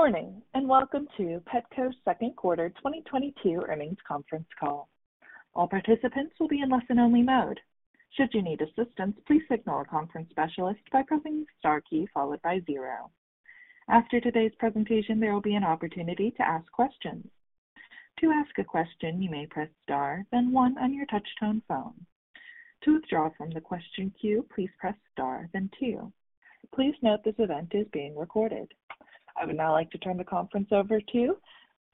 Good morning, and welcome to Petco's second quarter 2022 earnings conference call. All participants will be in listen-only mode. Should you need assistance, please signal a conference specialist by pressing star key followed by zero. After today's presentation, there will be an opportunity to ask questions. To ask a question, you may press star, then one on your touch-tone phone. To withdraw from the question queue, please press star then two. Please note this event is being recorded. I would now like to turn the conference over to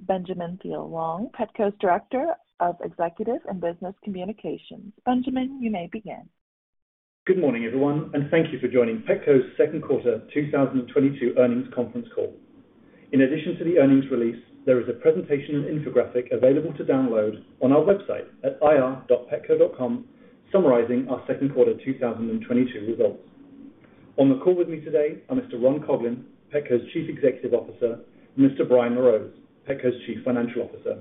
Benjamin Thiele-Long, Petco's Director of Executive and Business Communications. Benjamin, you may begin. Good morning, everyone, and thank you for joining Petco's second quarter 2022 earnings conference call. In addition to the earnings release, there is a presentation and infographic available to download on our website at ir.petco.com summarizing our second quarter 2022 results. On the call with me today are Mr. Ron Coughlin, Petco's Chief Executive Officer, and Mr. Brian LaRose, Petco's Chief Financial Officer.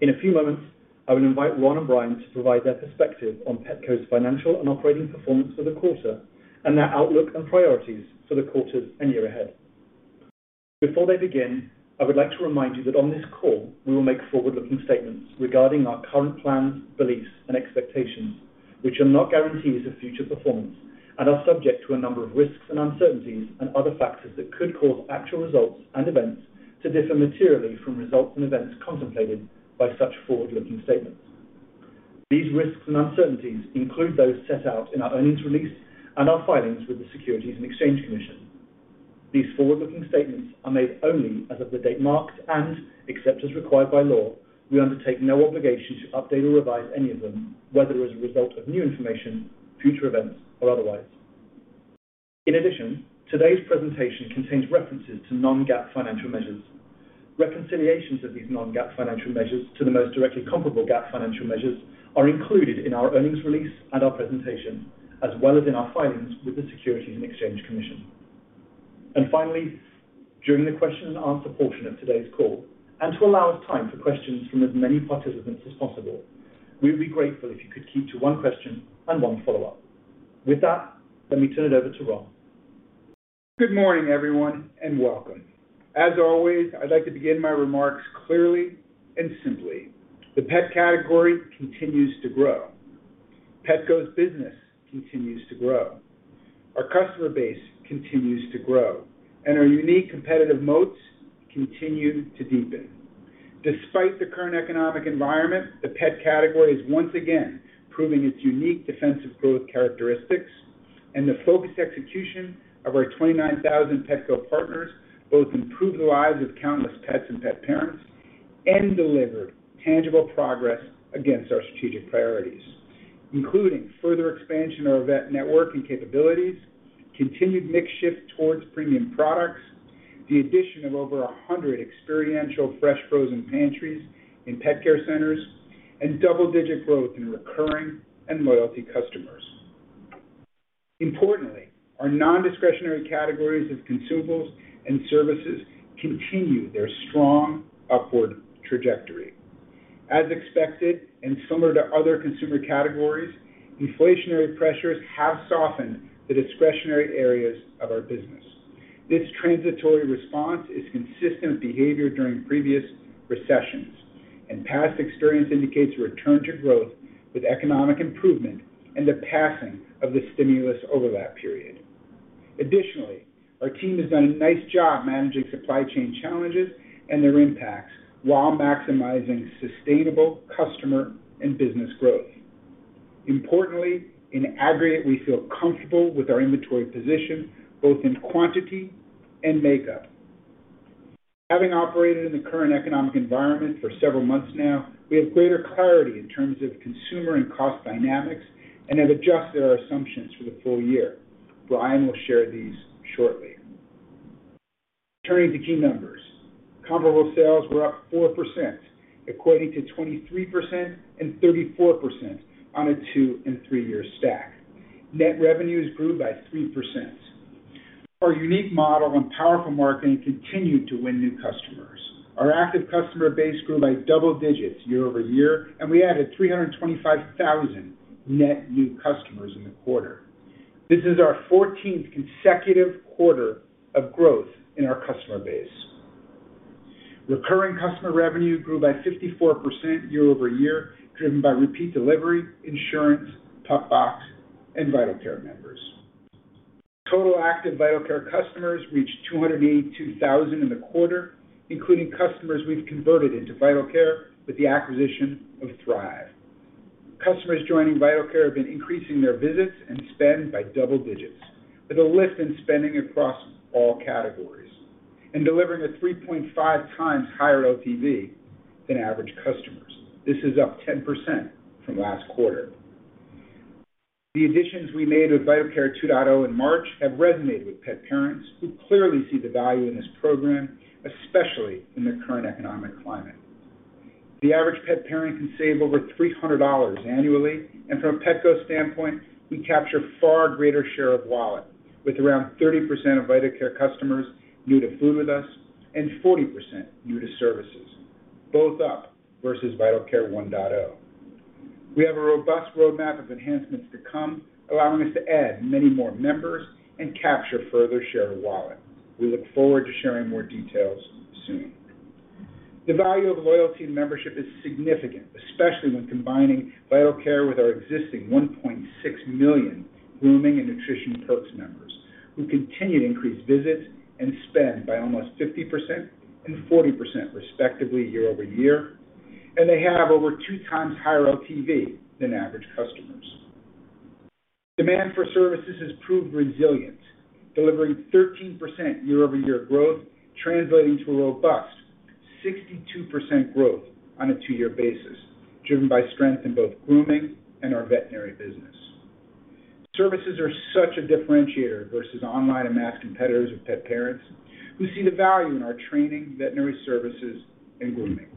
In a few moments, I would invite Ron and Brian to provide their perspective on Petco's financial and operating performance for the quarter and their outlook and priorities for the quarters and year ahead. Before they begin, I would like to remind you that on this call, we will make forward-looking statements regarding our current plans, beliefs, and expectations, which are not guarantees of future performance and are subject to a number of risks and uncertainties and other factors that could cause actual results and events to differ materially from results and events contemplated by such forward-looking statements. These risks and uncertainties include those set out in our earnings release and our filings with the Securities and Exchange Commission. These forward-looking statements are made only as of the date marked, and except as required by law, we undertake no obligation to update or revise any of them, whether as a result of new information, future events, or otherwise. In addition, today's presentation contains references to non-GAAP financial measures. Reconciliations of these non-GAAP financial measures to the most directly comparable GAAP financial measures are included in our earnings release and our presentation, as well as in our filings with the Securities and Exchange Commission. Finally, during the question and answer portion of today's call, and to allow us time for questions from as many participants as possible, we would be grateful if you could keep to one question and one follow-up. With that, let me turn it over to Ron. Good morning, everyone, and welcome. As always, I'd like to begin my remarks clearly and simply. The pet category continues to grow. Petco's business continues to grow. Our customer base continues to grow, and our unique competitive moats continue to deepen. Despite the current economic environment, the pet category is once again proving its unique defensive growth characteristics and the focused execution of our 29,000 Petco partners, both improved the lives of countless pets and pet parents and delivered tangible progress against our strategic priorities, including further expansion of our vet network and capabilities, continued mix shift towards premium products, the addition of over 100 experiential fresh frozen pantries in pet care centers, and double-digit growth in recurring and loyalty customers. Importantly, our non-discretionary categories of consumables and services continue their strong upward trajectory. As expected, and similar to other consumer categories, inflationary pressures have softened the discretionary areas of our business. This transitory response is consistent with behavior during previous recessions, and past experience indicates a return to growth with economic improvement and the passing of the stimulus overlap period. Additionally, our team has done a nice job managing supply chain challenges and their impacts while maximizing sustainable customer and business growth. Importantly, in aggregate, we feel comfortable with our inventory position, both in quantity and makeup. Having operated in the current economic environment for several months now, we have greater clarity in terms of consumer and cost dynamics and have adjusted our assumptions for the full year. Brian will share these shortly. Turning to key numbers. Comparable sales were up 4%, equating to 23% and 34% on a two and three year stack. Net revenues grew by 3%. Our unique model and powerful marketing continued to win new customers. Our active customer base grew by double digits year-over-year, and we added 325,000 net new customers in the quarter. This is our 14th consecutive quarter of growth in our customer base. Recurring customer revenue grew by 54% year-over-year, driven by repeat delivery, insurance, PupBox, and Vital Care members. Total active Vital Care customers reached 282,000 in the quarter, including customers we've converted into Vital Care with the acquisition of Thrive. Customers joining Vital Care have been increasing their visits and spend by double digits, with a lift in spending across all categories and delivering a 3.5 times higher LTV than average customers. This is up 10% from last quarter. The additions we made with Vital Care 2.0 in March have resonated with pet parents who clearly see the value in this program, especially in the current economic climate. The average pet parent can save over $300 annually, and from a Petco standpoint, we capture far greater share of wallet with around 30% of Vital Care customers new to food with us and 40% new to services, both up versus Vital Care 1.0. We have a robust roadmap of enhancements to come, allowing us to add many more members and capture further share of wallet. We look forward to sharing more details soon. The value of loyalty and membership is significant, especially when combining Vital Care with our existing 1.6 million grooming and nutrition perks members, who continue to increase visits and spend by almost 50% and 40% respectively year-over-year, and they have over 2x higher LTV than average customers. Demand for services has proved resilient, delivering 13% year-over-year growth, translating to a robust 62% growth on a two-year basis, driven by strength in both grooming and our veterinary business. Services are such a differentiator versus online and mass competitors with pet parents who see the value in our training, veterinary services and grooming.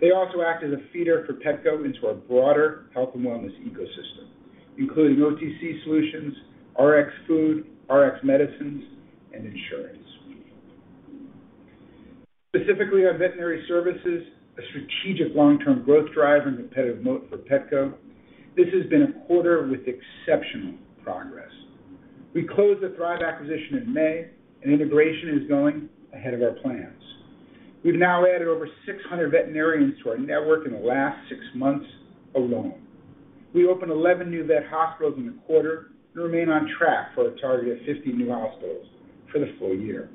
They also act as a feeder for Petco into our broader health and wellness ecosystem, including OTC solutions, RX food, RX medicines, and insurance. Specifically, our veterinary services, a strategic long-term growth driver and competitive moat for Petco. This has been a quarter with exceptional progress. We closed the Thrive acquisition in May, and integration is going ahead of our plans. We've now added over 600 veterinarians to our network in the last six months alone. We opened 11 new vet hospitals in the quarter and remain on track for a target of 50 new hospitals for the full year.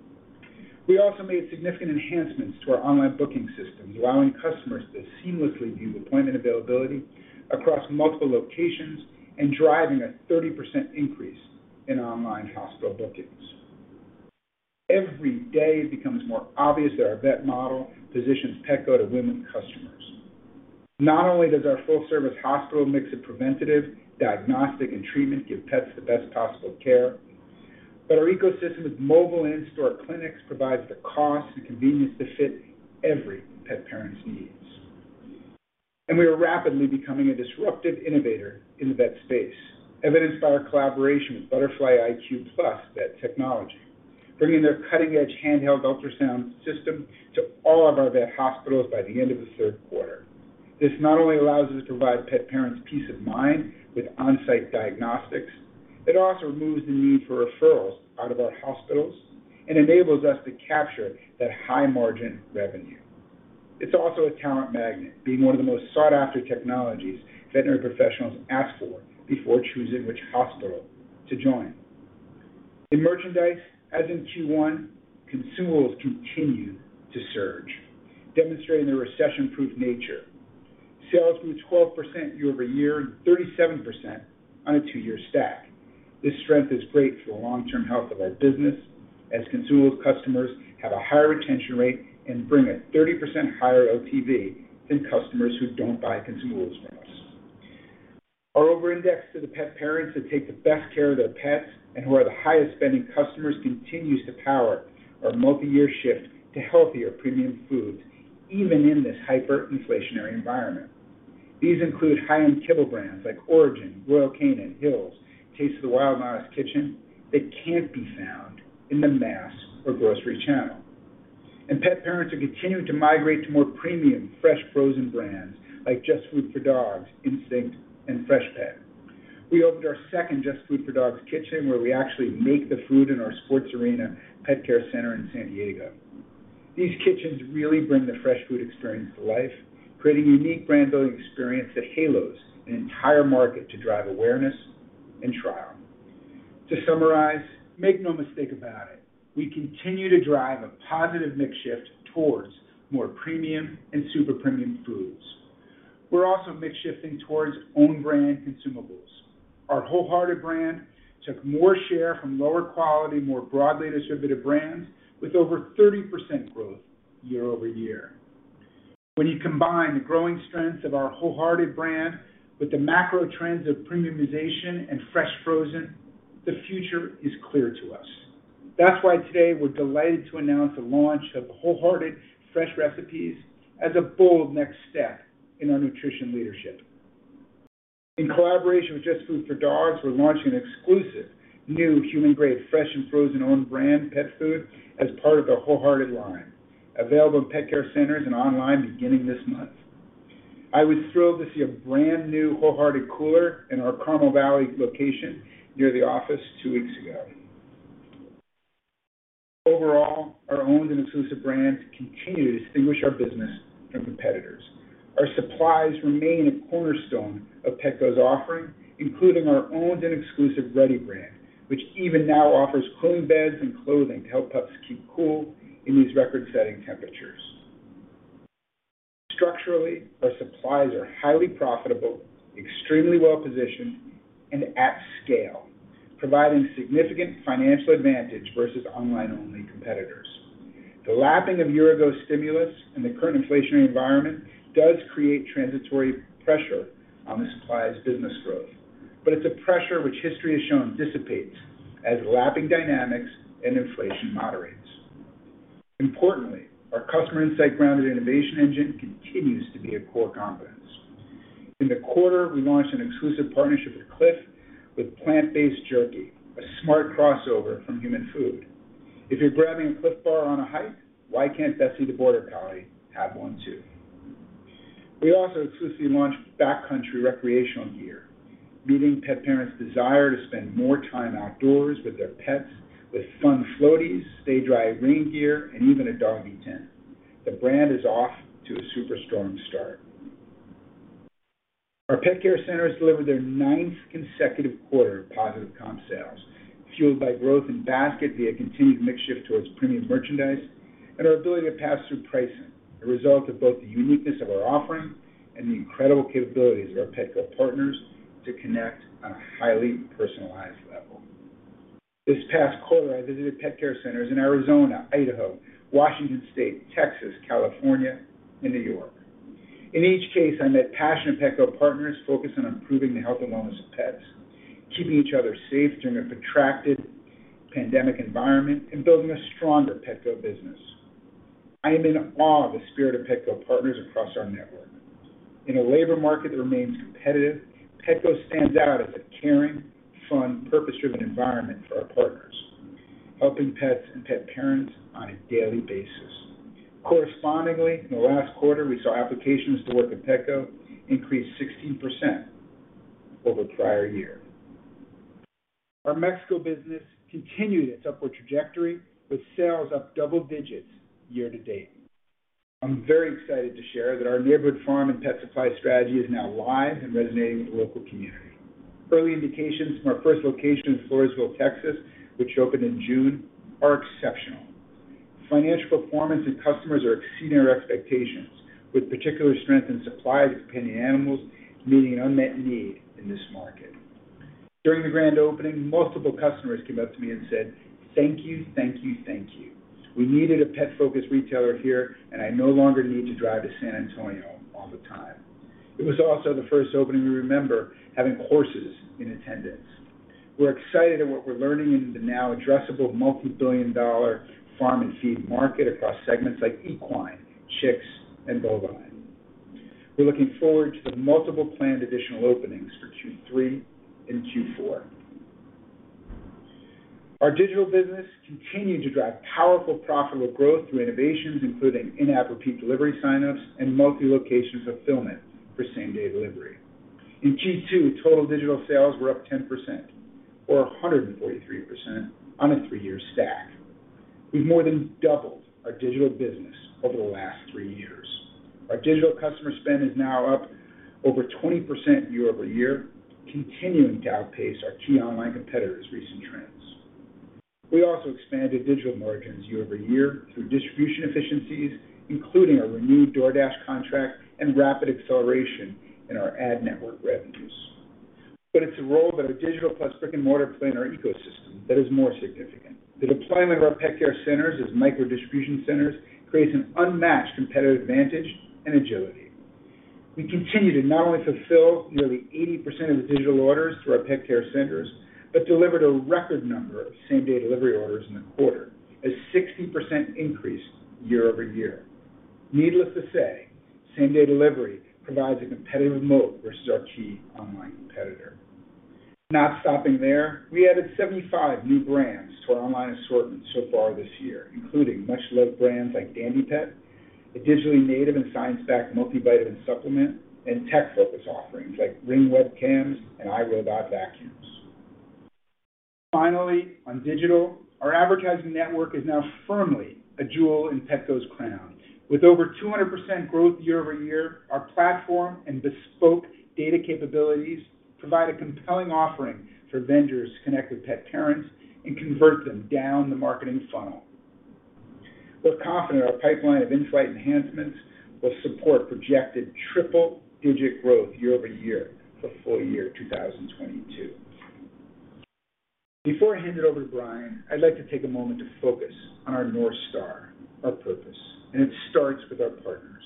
We also made significant enhancements to our online booking system, allowing customers to seamlessly view appointment availability across multiple locations and driving a 30% increase in online hospital bookings. Every day it becomes more obvious that our vet model positions Petco to win with customers. Not only does our full-service hospital mix of preventative, diagnostic, and treatment give pets the best possible care, but our ecosystem of mobile and in-store clinics provides the cost and convenience to fit every pet parent's needs. We are rapidly becoming a disruptive innovator in the vet space, evidenced by our collaboration with Butterfly iQ+ Vet technology, bringing their cutting-edge handheld ultrasound system to all of our vet hospitals by the end of the third quarter. This not only allows us to provide pet parents peace of mind with on-site diagnostics, it also removes the need for referrals out of our hospitals and enables us to capture that high-margin revenue. It's also a talent magnet, being one of the most sought-after technologies veterinary professionals ask for before choosing which hospital to join. In merchandise, as in Q1, consumables continue to surge, demonstrating their recession-proof nature. Sales grew 12% year-over-year, and 37% on a two-year stack. This strength is great for the long-term health of our business, as consumables customers have a higher retention rate and bring a 30% higher LTV than customers who don't buy consumables from us. Our over-index to the pet parents that take the best care of their pets and who are the highest-spending customers continues to power our multi-year shift to healthier premium foods, even in this hyperinflationary environment. These include high-end kibble brands like Orijen, Royal Canin, Hill's, Taste of the Wild, The Honest Kitchen, that can't be found in the mass or grocery channel. Pet parents are continuing to migrate to more premium fresh frozen brands like JustFoodForDogs, Instinct, and Freshpet. We opened our second JustFoodForDogs kitchen, where we actually make the food in our sports arena pet care center in San Diego. These kitchens really bring the fresh food experience to life, creating a unique brand building experience that halos an entire market to drive awareness and trial. To summarize, make no mistake about it, we continue to drive a positive mix shift towards more premium and super premium foods. We're also mix shifting towards own brand consumables. Our WholeHearted brand took more share from lower quality, more broadly distributed brands with over 30% growth year-over-year. When you combine the growing strength of our WholeHearted brand with the macro trends of premiumization and fresh frozen, the future is clear to us. That's why today we're delighted to announce the launch of WholeHearted Fresh Recipes as a bold next step in our nutrition leadership. In collaboration with JustFoodForDogs, we're launching an exclusive new human-grade fresh and frozen own brand pet food as part of the WholeHearted line, available in pet care centers and online beginning this month. I was thrilled to see a brand new WholeHearted cooler in our Carmel Valley location near the office two weeks ago. Overall, our owned and exclusive brands continue to distinguish our business from competitors. Our supplies remain a cornerstone of Petco's offering, including our owned and exclusive Reddy brand, which even now offers cooling beds and clothing to help pups keep cool in these record-setting temperatures. Structurally, our supplies are highly profitable, extremely well-positioned, and at scale, providing significant financial advantage versus online-only competitors. The lapping of year-ago stimulus and the current inflationary environment does create transitory pressure on the supplies business growth. It's a pressure which history has shown dissipates as lapping dynamics and inflation moderates. Importantly, our customer insight-grounded innovation engine continues to be a core competence. In the quarter, we launched an exclusive partnership with Clif with plant-based jerky, a smart crossover from human food. If you're grabbing a Clif Bar on a hike, why can't Bessie the border collie have one too? We also exclusively launched Backcountry recreational gear, meeting pet parents' desire to spend more time outdoors with their pets with fun floaties, stay-dry rain gear, and even a doggy tent. The brand is off to a super strong start. Our Pet Care Centers delivered their ninth consecutive quarter of positive comp sales, fueled by growth in basket via continued mix shift towards premium merchandise and our ability to pass through pricing, a result of both the uniqueness of our offering and the incredible capabilities of our Petco partners to connect on a highly personalized level. This past quarter, I visited Pet Care Centers in Arizona, Idaho, Washington State, Texas, California, and New York. In each case, I met passionate Petco partners focused on improving the health and wellness of pets, keeping each other safe during a protracted pandemic environment, and building a stronger Petco business. I am in awe of the spirit of Petco partners across our network. In a labor market that remains competitive, Petco stands out as a caring, fun, purpose-driven environment for our partners, helping pets and pet parents on a daily basis. Correspondingly, in the last quarter, we saw applications to work at Petco increase 16% over the prior year. Our Mexico business continued its upward trajectory, with sales up double digits year-to-date. I'm very excited to share that our neighborhood farm and pet supply strategy is now live and resonating with the local community. Early indications from our first location in Floresville, Texas, which opened in June, are exceptional. Financial performance and customers are exceeding our expectations, with particular strength in supplies and animals meeting an unmet need in this market. During the grand opening, multiple customers came up to me and said, "Thank you, thank you, thank you. We needed a pet-focused retailer here, and I no longer need to drive to San Antonio all the time." It was also the first opening we remember having horses in attendance. We're excited at what we're learning in the now addressable multi-billion dollar farm and feed market across segments like equine, chicks, and bovine. We're looking forward to the multiple planned additional openings for Q3 and Q4. Our digital business continued to drive powerful profitable growth through innovations, including in-app repeat delivery sign-ups and multi-location fulfillment for same-day delivery. In Q2, total digital sales were up 10% or 143% on a three-year stack. We've more than doubled our digital business over the last three years. Our digital customer spend is now up over 20% year-over-year, continuing to outpace our key online competitors' recent trends. We also expanded digital margins year-over-year through distribution efficiencies, including our renewed DoorDash contract and rapid acceleration in our ad network revenues. It's the role that our digital plus brick-and-mortar play in our ecosystem that is more significant. The deployment of our Pet Care Centers as micro-distribution centers creates an unmatched competitive advantage and agility. We continue to not only fulfill nearly 80% of the digital orders through our Pet Care Centers, but delivered a record number of same-day delivery orders in the quarter, a 60% increase year-over-year. Needless to say, same-day delivery provides a competitive moat versus our key online competitor. Not stopping there, we added 75 new brands to our online assortment so far this year, including much-loved brands like Dandy, a digitally native and science-backed multivitamin supplement, and tech-focused offerings like Ring webcams and iRobot vacuums. Finally, on digital, our advertising network is now firmly a jewel in Petco's crown. With over 200% growth year over year, our platform and bespoke data capabilities provide a compelling offering for vendors to connect with pet parents and convert them down the marketing funnel. We're confident our pipeline of insight enhancements will support projected triple-digit growth year over year for full year 2022. Before I hand it over to Brian, I'd like to take a moment to focus on our North Star, our purpose, and it starts with our partners.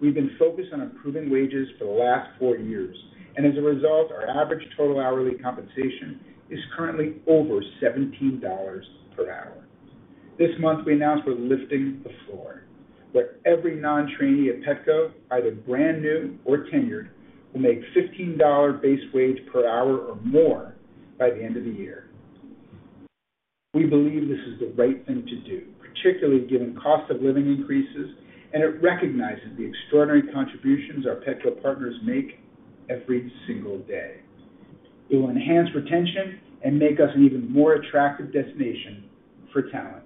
We've been focused on improving wages for the last four years, and as a result, our average total hourly compensation is currently over $17 per hour. This month, we announced we're lifting the floor, where every non-trainee at Petco, either brand new or tenured, will make $15 base wage per hour or more by the end of the year. We believe this is the right thing to do, particularly given cost of living increases, and it recognizes the extraordinary contributions our Petco partners make every single day. It will enhance retention and make us an even more attractive destination for talent.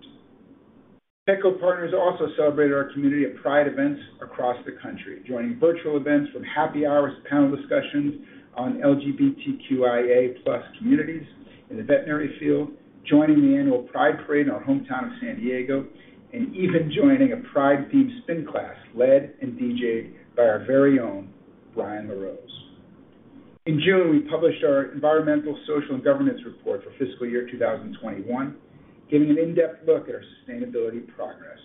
Petco partners also celebrated our community at Pride events across the country, joining virtual events from happy hours to panel discussions on LGBTQIA+ communities in the veterinary field, joining the annual Pride Parade in our hometown of San Diego, and even joining a Pride-themed spin class led and DJ'd by our very own Brian LaRose. In June, we published our environmental, social, and governance report for fiscal year 2021, giving an in-depth look at our sustainability progress.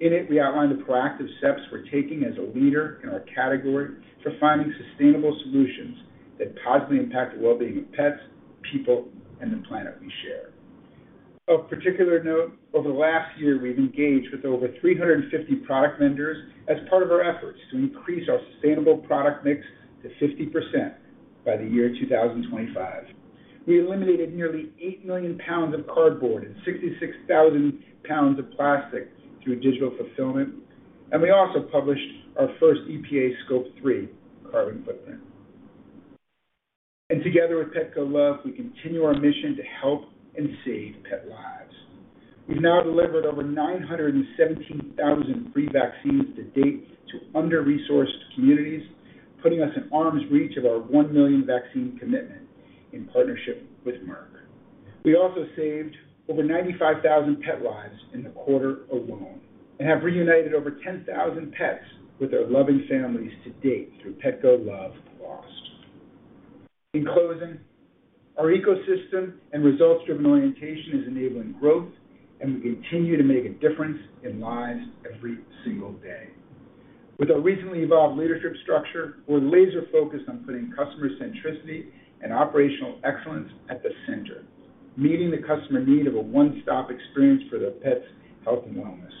In it, we outlined the proactive steps we're taking as a leader in our category for finding sustainable solutions that positively impact the well-being of pets, people, and the planet we share. Of particular note, over the last year, we've engaged with over 350 product vendors as part of our efforts to increase our sustainable product mix to 50%. By the year 2025. We eliminated nearly 8 million pounds of cardboard and 66,000 pounds of plastic through digital fulfillment, and we also published our first EPA Scope 3 carbon footprint. Together with Petco Love, we continue our mission to help and save pet lives. We've now delivered over 917,000 free vaccines to date to under-resourced communities, putting us in arm's reach of our 1 million vaccine commitment in partnership with Merck. We also saved over 95,000 pet lives in the quarter alone and have reunited over 10,000 pets with their loving families to date through Petco Love Lost. In closing, our ecosystem and results-driven orientation is enabling growth, and we continue to make a difference in lives every single day. With our recently evolved leadership structure, we're laser-focused on putting customer centricity and operational excellence at the center, meeting the customer need of a one-stop experience for their pets' health and wellness.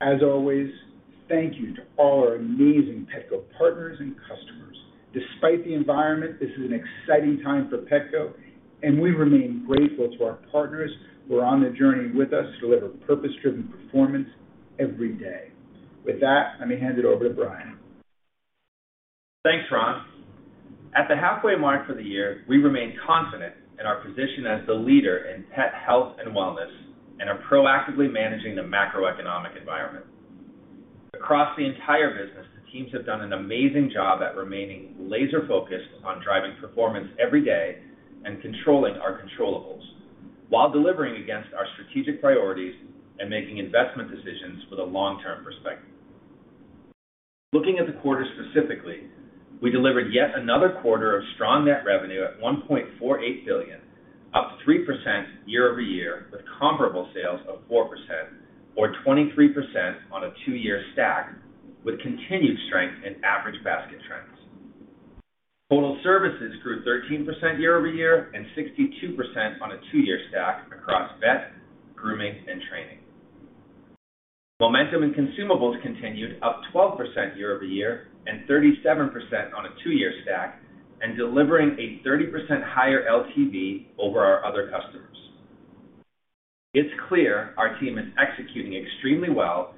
As always, thank you to all our amazing Petco partners and customers. Despite the environment, this is an exciting time for Petco, and we remain grateful to our partners who are on the journey with us to deliver purpose-driven performance every single day. With that, let me hand it over to Brian. Thanks, Ron. At the halfway mark for the year, we remain confident in our position as the leader in pet health and wellness and are proactively managing the macroeconomic environment. Across the entire business, the teams have done an amazing job at remaining laser-focused on driving performance every day and controlling our controllables while delivering against our strategic priorities and making investment decisions with a long-term perspective. Looking at the quarter specifically, we delivered yet another quarter of strong net revenue of $1.48 billion, up 3% year-over-year, with comparable sales of 4% or 23% on a two-year stack with continued strength in average basket trends. Total services grew 13% year-over-year and 62% on a two-year stack across vet, grooming, and training. Momentum and consumables continued, up 12% year-over-year and 37% on a two-year stack and delivering a 30% higher LTV over our other customers. It's clear our team is executing extremely well,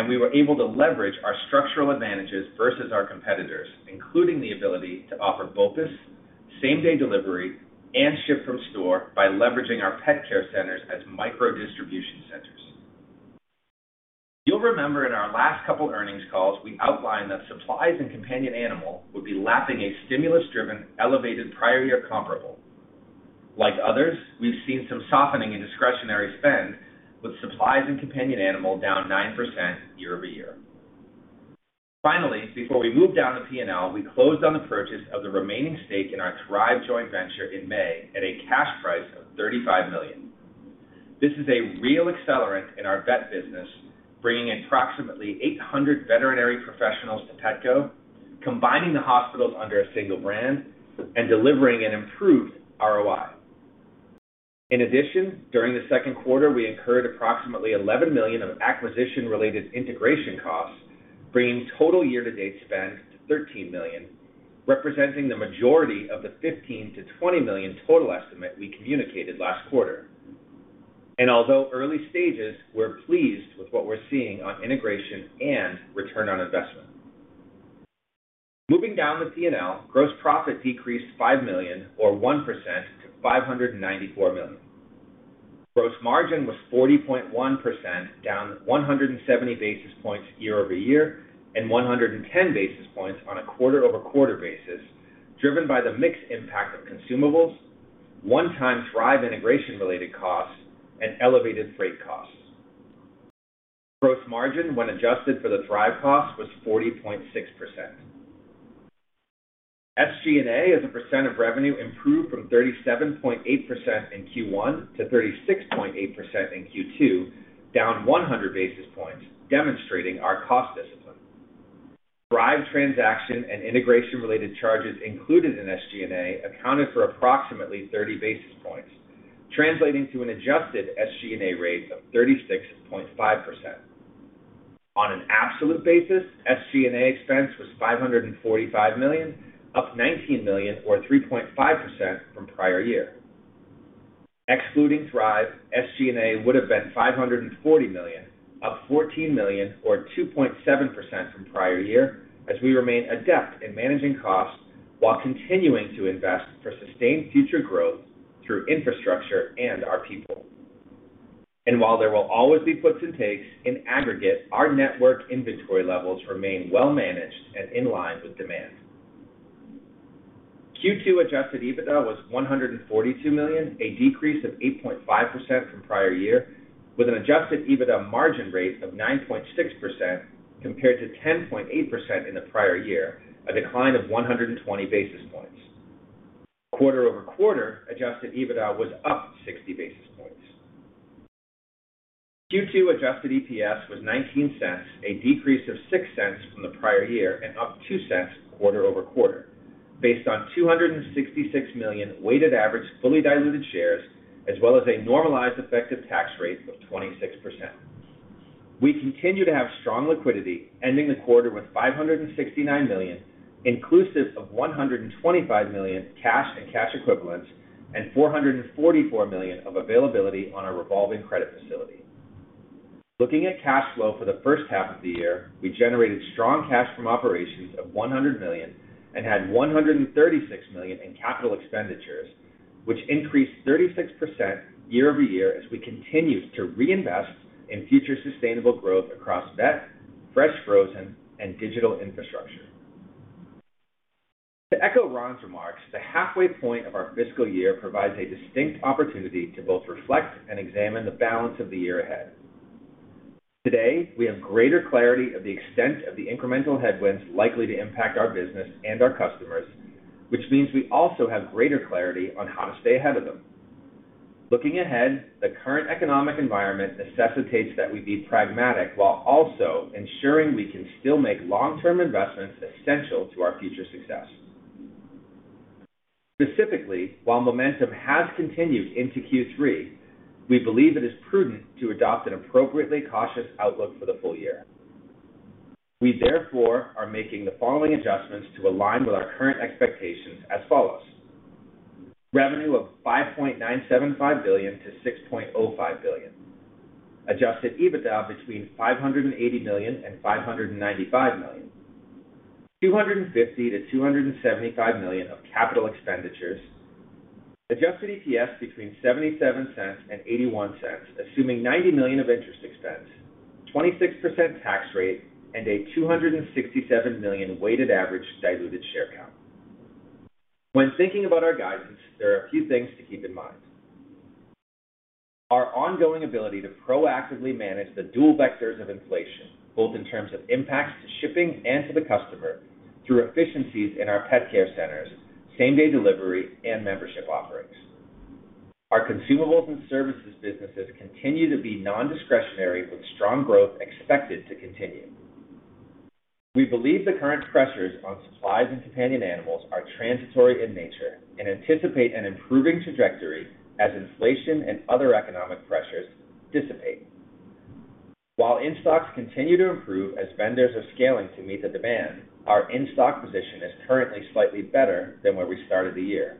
and we were able to leverage our structural advantages versus our competitors, including the ability to offer BOPIS, same-day delivery, and ship from store by leveraging our pet care centers as micro-distribution centers. You'll remember in our last couple earnings calls, we outlined that supplies and companion animal would be lapping a stimulus-driven, elevated prior-year comparable. Like others, we've seen some softening in discretionary spend with supplies and companion animal down 9% year-over-year. Finally, before we move down the P&L, we closed on the purchase of the remaining stake in our Thrive joint venture in May at a cash price of $35 million. This is a real accelerant in our vet business, bringing approximately 800 veterinary professionals to Petco, combining the hospitals under a single brand and delivering an improved ROI. In addition, during the second quarter, we incurred approximately $11 million of acquisition-related integration costs, bringing total year-to-date spend to $13 million, representing the majority of the $15 million-$20 million total estimate we communicated last quarter. Although early stages, we're pleased with what we're seeing on integration and return on investment. Moving down the P&L, gross profit decreased $5 million or 1% to $594 million. Gross margin was 40.1%, down 170 basis points year-over-year and 110 basis points on a quarter-over-quarter basis, driven by the mix impact of consumables, one-time Thrive integration related costs, and elevated freight costs. Gross margin, when adjusted for the Thrive cost, was 40.6%. SG&A, as a percent of revenue, improved from 37.8% in Q1 to 36.8% in Q2, down 100 basis points, demonstrating our cost discipline. Thrive transaction and integration-related charges included in SG&A accounted for approximately 30 basis points, translating to an adjusted SG&A rate of 36.5%. On an absolute basis, SG&A expense was $545 million, up $19 million or 3.5% from prior year. Excluding Thrive, SG&A would have been $540 million, up $14 million or 2.7% from prior year as we remain adept in managing costs while continuing to invest for sustained future growth through infrastructure and our people. While there will always be puts and takes, in aggregate, our network inventory levels remain well-managed and in line with demand. Q2 adjusted EBITDA was $142 million, a decrease of 8.5% from prior year, with an adjusted EBITDA margin rate of 9.6% compared to 10.8% in the prior year, a decline of 120 basis points. Quarter-over-quarter, adjusted EBITDA was up 60 basis points. Q2 adjusted EPS was $0.19, a decrease of $0.06 from the prior year and up $0.02 quarter over quarter, based on 266 million weighted average fully diluted shares as well as a normalized effective tax rate of 26%. We continue to have strong liquidity, ending the quarter with $569 million, inclusive of $125 million cash and cash equivalents, and $444 million of availability on our revolving credit facility. Looking at cash flow for the first half of the year, we generated strong cash from operations of $100 million and had $136 million in capital expenditures, which increased 36% year-over-year as we continue to reinvest in future sustainable growth across vet, fresh frozen, and digital infrastructure. To echo Ron's remarks, the halfway point of our fiscal year provides a distinct opportunity to both reflect and examine the balance of the year ahead. Today, we have greater clarity of the extent of the incremental headwinds likely to impact our business and our customers, which means we also have greater clarity on how to stay ahead of them. Looking ahead, the current economic environment necessitates that we be pragmatic while also ensuring we can still make long-term investments essential to our future success. Specifically, while momentum has continued into Q3, we believe it is prudent to adopt an appropriately cautious outlook for the full year. We therefore are making the following adjustments to align with our current expectations as follows: revenue of $5.975 billion-$6.05 billion, adjusted EBITDA between $580 million and $595 million, $250 million-$275 million of capital expenditures, adjusted EPS between $0.77 and $0.81, assuming $90 million of interest expense, 26% tax rate, and a 267 million weighted average diluted share count. When thinking about our guidance, there are a few things to keep in mind. Our ongoing ability to proactively manage the dual vectors of inflation, both in terms of impacts to shipping and to the customer through efficiencies in our pet care centers, same-day delivery, and membership offerings. Our consumables and services businesses continue to be nondiscretionary with strong growth expected to continue. We believe the current pressures on supplies and companion animals are transitory in nature and anticipate an improving trajectory as inflation and other economic pressures dissipate. While in-stocks continue to improve as vendors are scaling to meet the demand, our in-stock position is currently slightly better than where we started the year,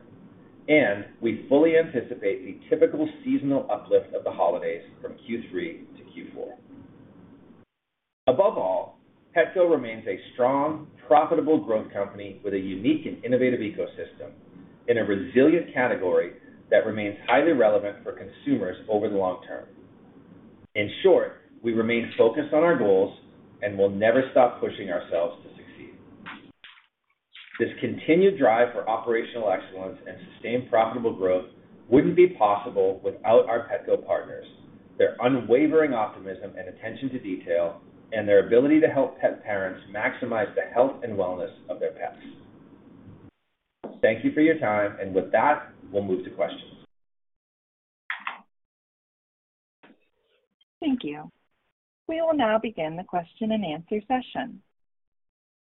and we fully anticipate the typical seasonal uplift of the holidays from Q3 to Q4. Above all, Petco remains a strong, profitable growth company with a unique and innovative ecosystem in a resilient category that remains highly relevant for consumers over the long term. In short, we remain focused on our goals, and we'll never stop pushing ourselves to succeed. This continued drive for operational excellence and sustained profitable growth wouldn't be possible without our Petco partners, their unwavering optimism and attention to detail, and their ability to help pet parents maximize the health and wellness of their pets. Thank you for your time, and with that, we'll move to questions. Thank you. We will now begin the question-and-answer session.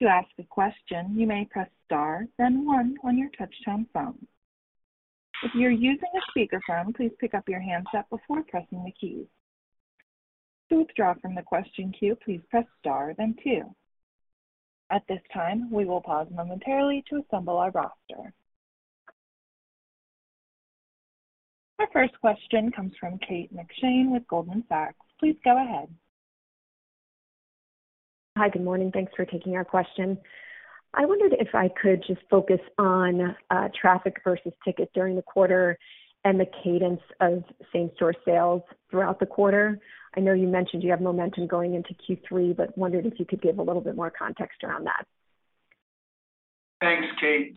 To ask a question, you may press star then one on your touchtone phone. If you are using a speakerphone, please pick up your handset before pressing the keys. To withdraw from the question queue, please press star then two. At this time, we will pause momentarily to assemble our roster. Our first question comes from Kate McShane with Goldman Sachs. Please go ahead. Hi. Good morning. Thanks for taking our question. I wondered if I could just focus on, traffic versus ticket during the quarter and the cadence of same-store sales throughout the quarter. I know you mentioned you have momentum going into Q3, but wondered if you could give a little bit more context around that. Thanks, Kate.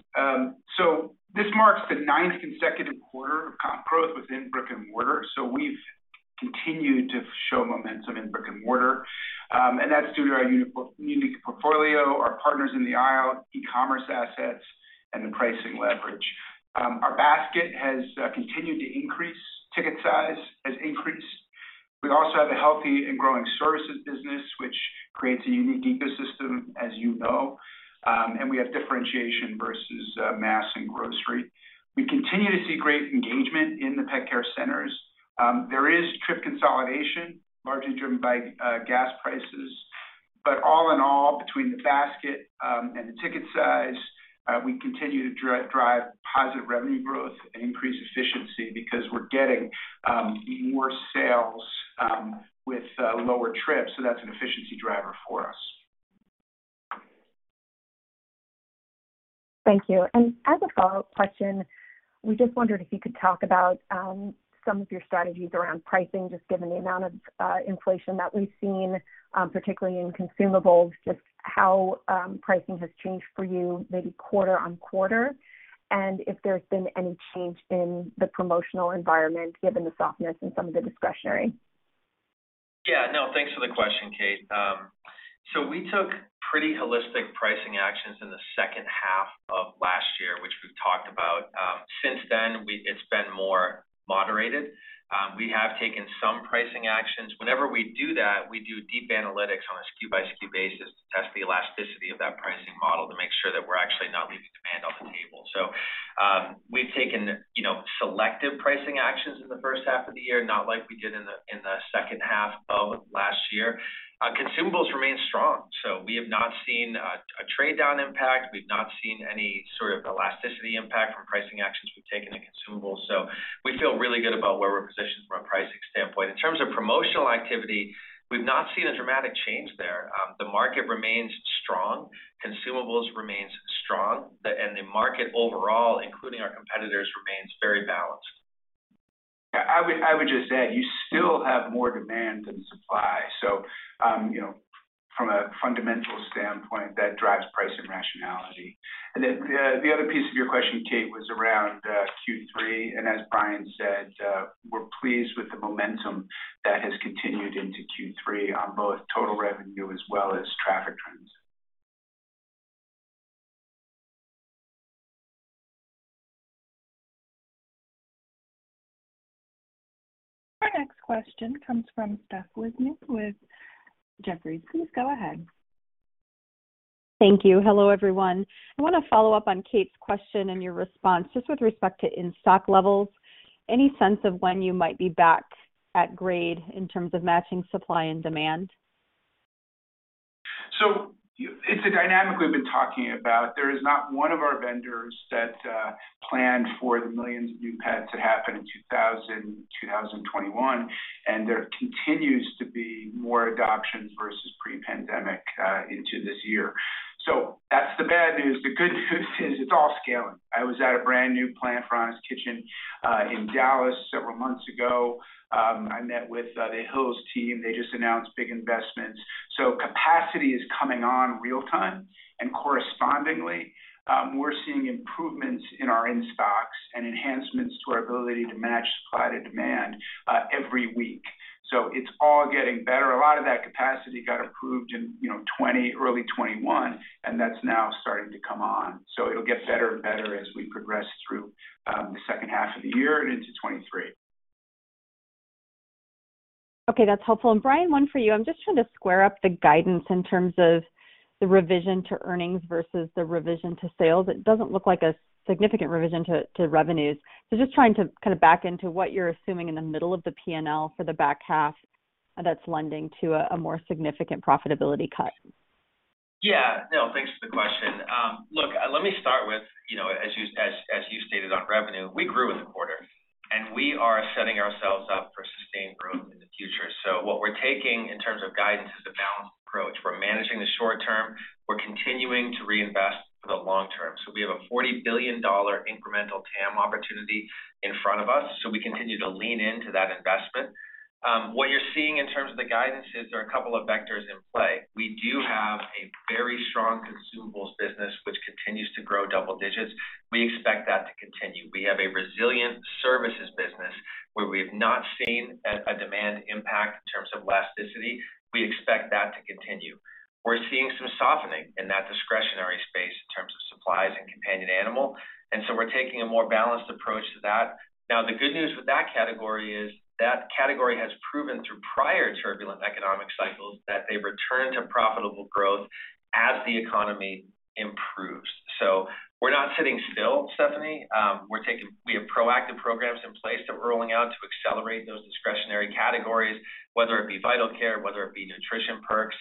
This marks the ninth consecutive quarter of comp growth within brick-and-mortar. We've continued to show momentum in brick-and-mortar. That's due to our unique portfolio, our partners in the aisle, e-commerce assets, and the pricing leverage. Our basket has continued to increase. Ticket size has increased. We also have a healthy and growing services business, which creates a unique ecosystem, as you know, and we have differentiation versus mass and grocery. We continue to see great engagement in the pet care centers. There is trip consolidation, largely driven by gas prices. All in all, between the basket and the ticket size, we continue to drive positive revenue growth and increase efficiency because we're getting more sales with lower trips, so that's an efficiency driver for us. Thank you. As a follow-up question, we just wondered if you could talk about some of your strategies around pricing, just given the amount of inflation that we've seen, particularly in consumables, just how pricing has changed for you maybe quarter on quarter, and if there's been any change in the promotional environment given the softness in some of the discretionary. Yeah, no. Thanks for the question, Kate. We took pretty holistic pricing actions in the second half of last year, which we've talked about. Since then, it's been more moderated. We have taken some pricing actions. Whenever we do that, we do deep analytics on a SKU-by-SKU basis to test the elasticity of that pricing model to make sure that we're actually not leaving demand on the table. We've taken, you know, selective pricing actions in the- Of the year, not like we did in the second half of last year. Consumables remain strong, so we have not seen a trade-down impact. We've not seen any sort of elasticity impact from pricing actions we've taken in consumables. So we feel really good about where we're positioned from a pricing standpoint. In terms of promotional activity, we've not seen a dramatic change there. The market remains strong, consumables remains strong, and the market overall, including our competitors, remains very balanced. I would just add, you still have more demand than supply. You know, from a fundamental standpoint, that drives price and rationality. The other piece of your question, Kate, was around Q3. As Brian said, we're pleased with the momentum that has continued into Q3 on both total revenue as well as traffic trends. Our next question comes from Stephanie Wissink with Jefferies. Please go ahead. Thank you. Hello, everyone. I wanna follow up on Kate's question and your response, just with respect to in-stock levels. Any sense of when you might be back at grade in terms of matching supply and demand? It's a dynamic we've been talking about. There is not one of our vendors that planned for the millions of new pets to happen in 2021, and there continues to be more adoptions versus pre-pandemic into this year. That's the bad news. The good news is it's all scaling. I was at a brand-new plant for Honest Kitchen in Dallas several months ago. I met with the Hill's team. They just announced big investments. Capacity is coming on real time, and correspondingly, we're seeing improvements in our in-stocks and enhancements to our ability to match supply to demand every week. It's all getting better. A lot of that capacity got approved in, you know, 2020, early 2021, and that's now starting to come on. It'll get better and better as we progress through the second half of the year and into 2023. Okay, that's helpful. Brian, one for you. I'm just trying to square up the guidance in terms of the revision to earnings versus the revision to sales. It doesn't look like a significant revision to revenues. Just trying to kinda back into what you're assuming in the middle of the P&L for the back half that's lending to a more significant profitability cut. Yeah. No, thanks for the question. Let me start with, you know, as you stated on revenue, we grew in the quarter, and we are setting ourselves up for sustained growth in the future. What we're taking in terms of guidance is a balanced approach. We're managing the short term. We're continuing to reinvest for the long term. We have a $40 billion incremental TAM opportunity in front of us, so we continue to lean into that investment. What you're seeing in terms of the guidance is there are a couple of vectors in play. We do have a very strong consumables business, which continues to grow double digits. We expect that to continue. We have a resilient services business where we have not seen a demand impact in terms of elasticity. We expect that to continue. We're seeing some softening in that discretionary space in terms of supplies and companion animal, and so we're taking a more balanced approach to that. Now, the good news with that category is that category has proven through prior turbulent economic cycles that they return to profitable growth as the economy improves. We're not sitting still, Stephanie. We have proactive programs in place that we're rolling out to accelerate those discretionary categories, whether it be Vital Care, whether it be nutrition perks.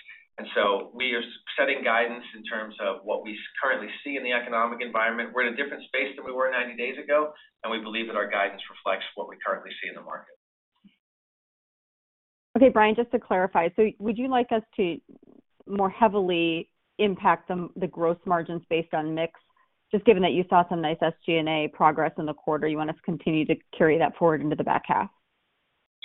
We are setting guidance in terms of what we currently see in the economic environment. We're in a different space than we were 90 days ago, and we believe that our guidance reflects what we currently see in the market. Okay, Brian, just to clarify. Would you like us to more heavily impact the gross margins based on mix? Just given that you saw some nice SG&A progress in the quarter, you want us to continue to carry that forward into the back half?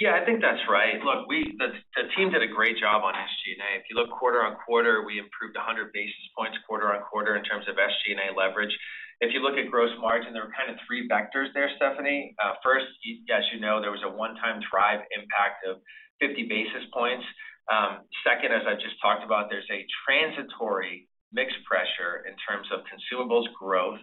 Yeah, I think that's right. Look, we, the team did a great job on SG&A. If you look quarter-over-quarter, we improved 100 basis points quarter-over-quarter in terms of SG&A leverage. If you look at gross margin, there are kind of three vectors there, Stephanie. First, as you know, there was a one-time Thrive impact of 50 basis points. Second, as I just talked about, there's a transitory mix pressure in terms of consumables growth,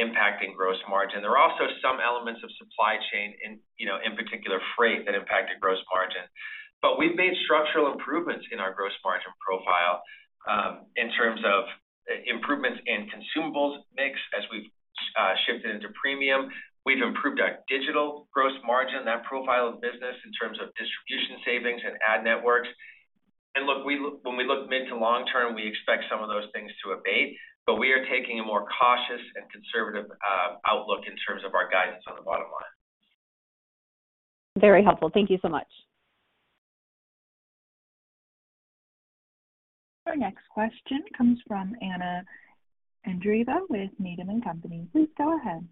impacting gross margin. There are also some elements of supply chain, you know, in particular freight that impacted gross margin. But we've made structural improvements in our gross margin profile, in terms of improvements in consumables mix as we've shifted into premium. We've improved our digital gross margin, that profile of business in terms of distribution savings and ad networks. Look, when we look mid to long term, we expect some of those things to abate, but we are taking a more cautious and conservative outlook in terms of our guidance on the bottom line. Very helpful. Thank you so much. Our next question comes from Anna Andreeva with Needham & Company. Please go ahead.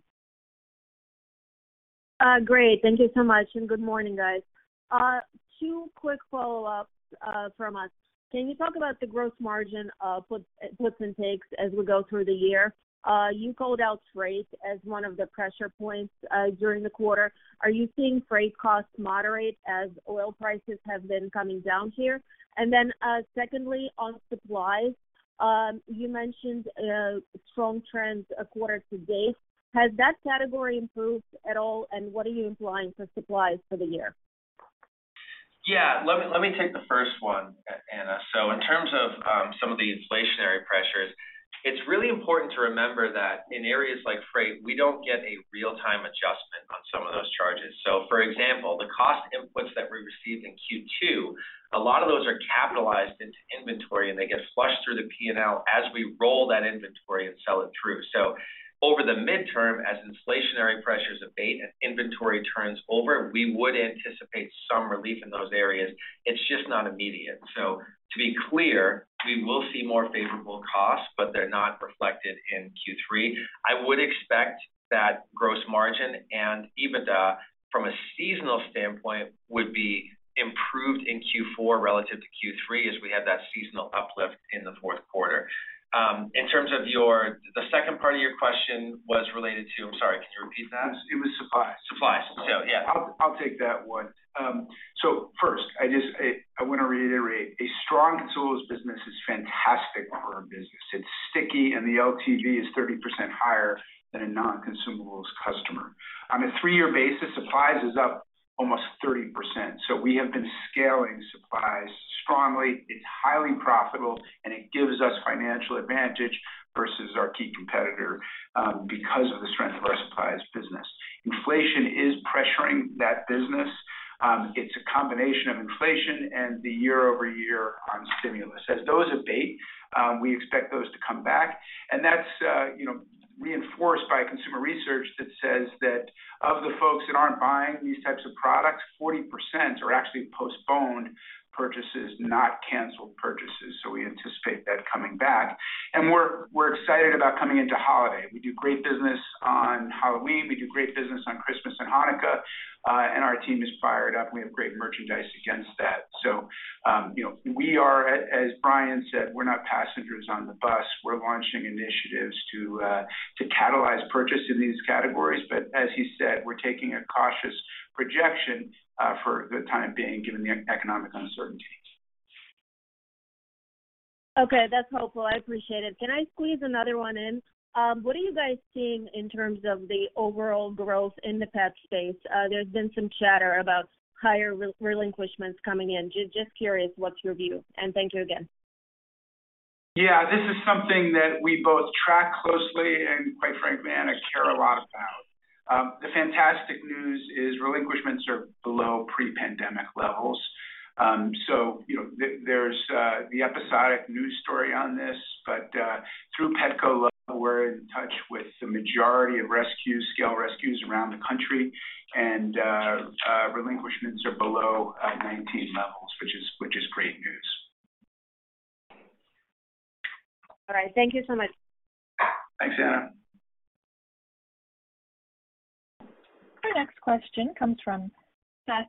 Great. Thank you so much, and good morning, guys. Two quick follow-ups from us. Can you talk about the gross margin puts and takes as we go through the year? You called out freight as one of the pressure points during the quarter. Are you seeing freight costs moderate as oil prices have been coming down here? And then, secondly, on supplies, you mentioned strong trends quarter to date. Has that category improved at all, and what are you implying for supplies for the year? Yeah. Let me take the first one, Anna. In terms of some of the inflationary pressures, it's really important to remember that in areas like freight, we don't get a real-time adjustment on some of those charges. For example, the cost inputs that we received in Q2, a lot of those are capitalized into inventory, and they get flushed through the P&L as we roll that inventory and sell it through. Over the midterm, as inflationary pressures abate and inventory turns over, we would anticipate some relief in those areas. It's just not immediate. To be clear, we will see more favorable costs, but they're not reflected in Q3. I would expect that gross margin and EBITDA from a seasonal standpoint would be improved in Q4 relative to Q3 as we have that seasonal uplift in the fourth quarter. The second part of your question was related to? I'm sorry, can you repeat that? It was supplies. Supplies. Yeah. I'll take that one. So first, I wanna reiterate, a strong consumables business is fantastic for our business. It's sticky, and the LTV is 30% higher than a non-consumables customer. On a three-year basis, supplies is up almost 30%, so we have been scaling supplies strongly. It's highly profitable, and it gives us financial advantage versus our key competitor because of the strength of our supplies business. Inflation is pressuring that business. It's a combination of inflation and the year-over-year on stimulus. As those abate, we expect those to come back, and that's you know, reinforced by consumer research that says that of the folks that aren't buying these types of products, 40% are actually postponed purchases, not canceled purchases, so we anticipate that coming back. We're excited about coming into holiday. We do great business on Halloween. We do great business on Christmas and Hanukkah. Our team is fired up, and we have great merchandise against that. You know, we are, as Brian said, we're not passengers on the bus. We're launching initiatives to catalyze purchase in these categories. As he said, we're taking a cautious projection for the time being, given the economic uncertainties. Okay, that's helpful. I appreciate it. Can I squeeze another one in? What are you guys seeing in terms of the overall growth in the pet space? There's been some chatter about higher relinquishments coming in. Just curious, what's your view? Thank you again. Yeah. This is something that we both track closely and, quite frankly, Anna, care a lot about. The fantastic news is relinquishments are below pre-pandemic levels. You know, there's the episodic news story on this. Through Petco Love, we're in touch with the majority of rescues, large-scale rescues around the country, and relinquishments are below 2019 levels, which is great news. All right. Thank you so much. Thanks, Anna. Our next question comes from Seth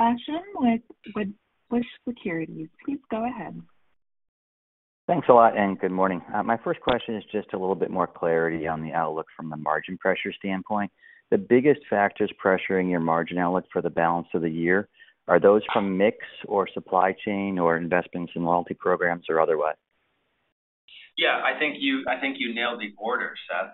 Basham with Wedbush Securities. Please go ahead. Thanks a lot, and good morning. My first question is just a little bit more clarity on the outlook from the margin pressure standpoint. The biggest factors pressuring your margin outlook for the balance of the year are those from mix or supply chain or investments in loyalty programs or otherwise? Yeah. I think you nailed the order, Seth.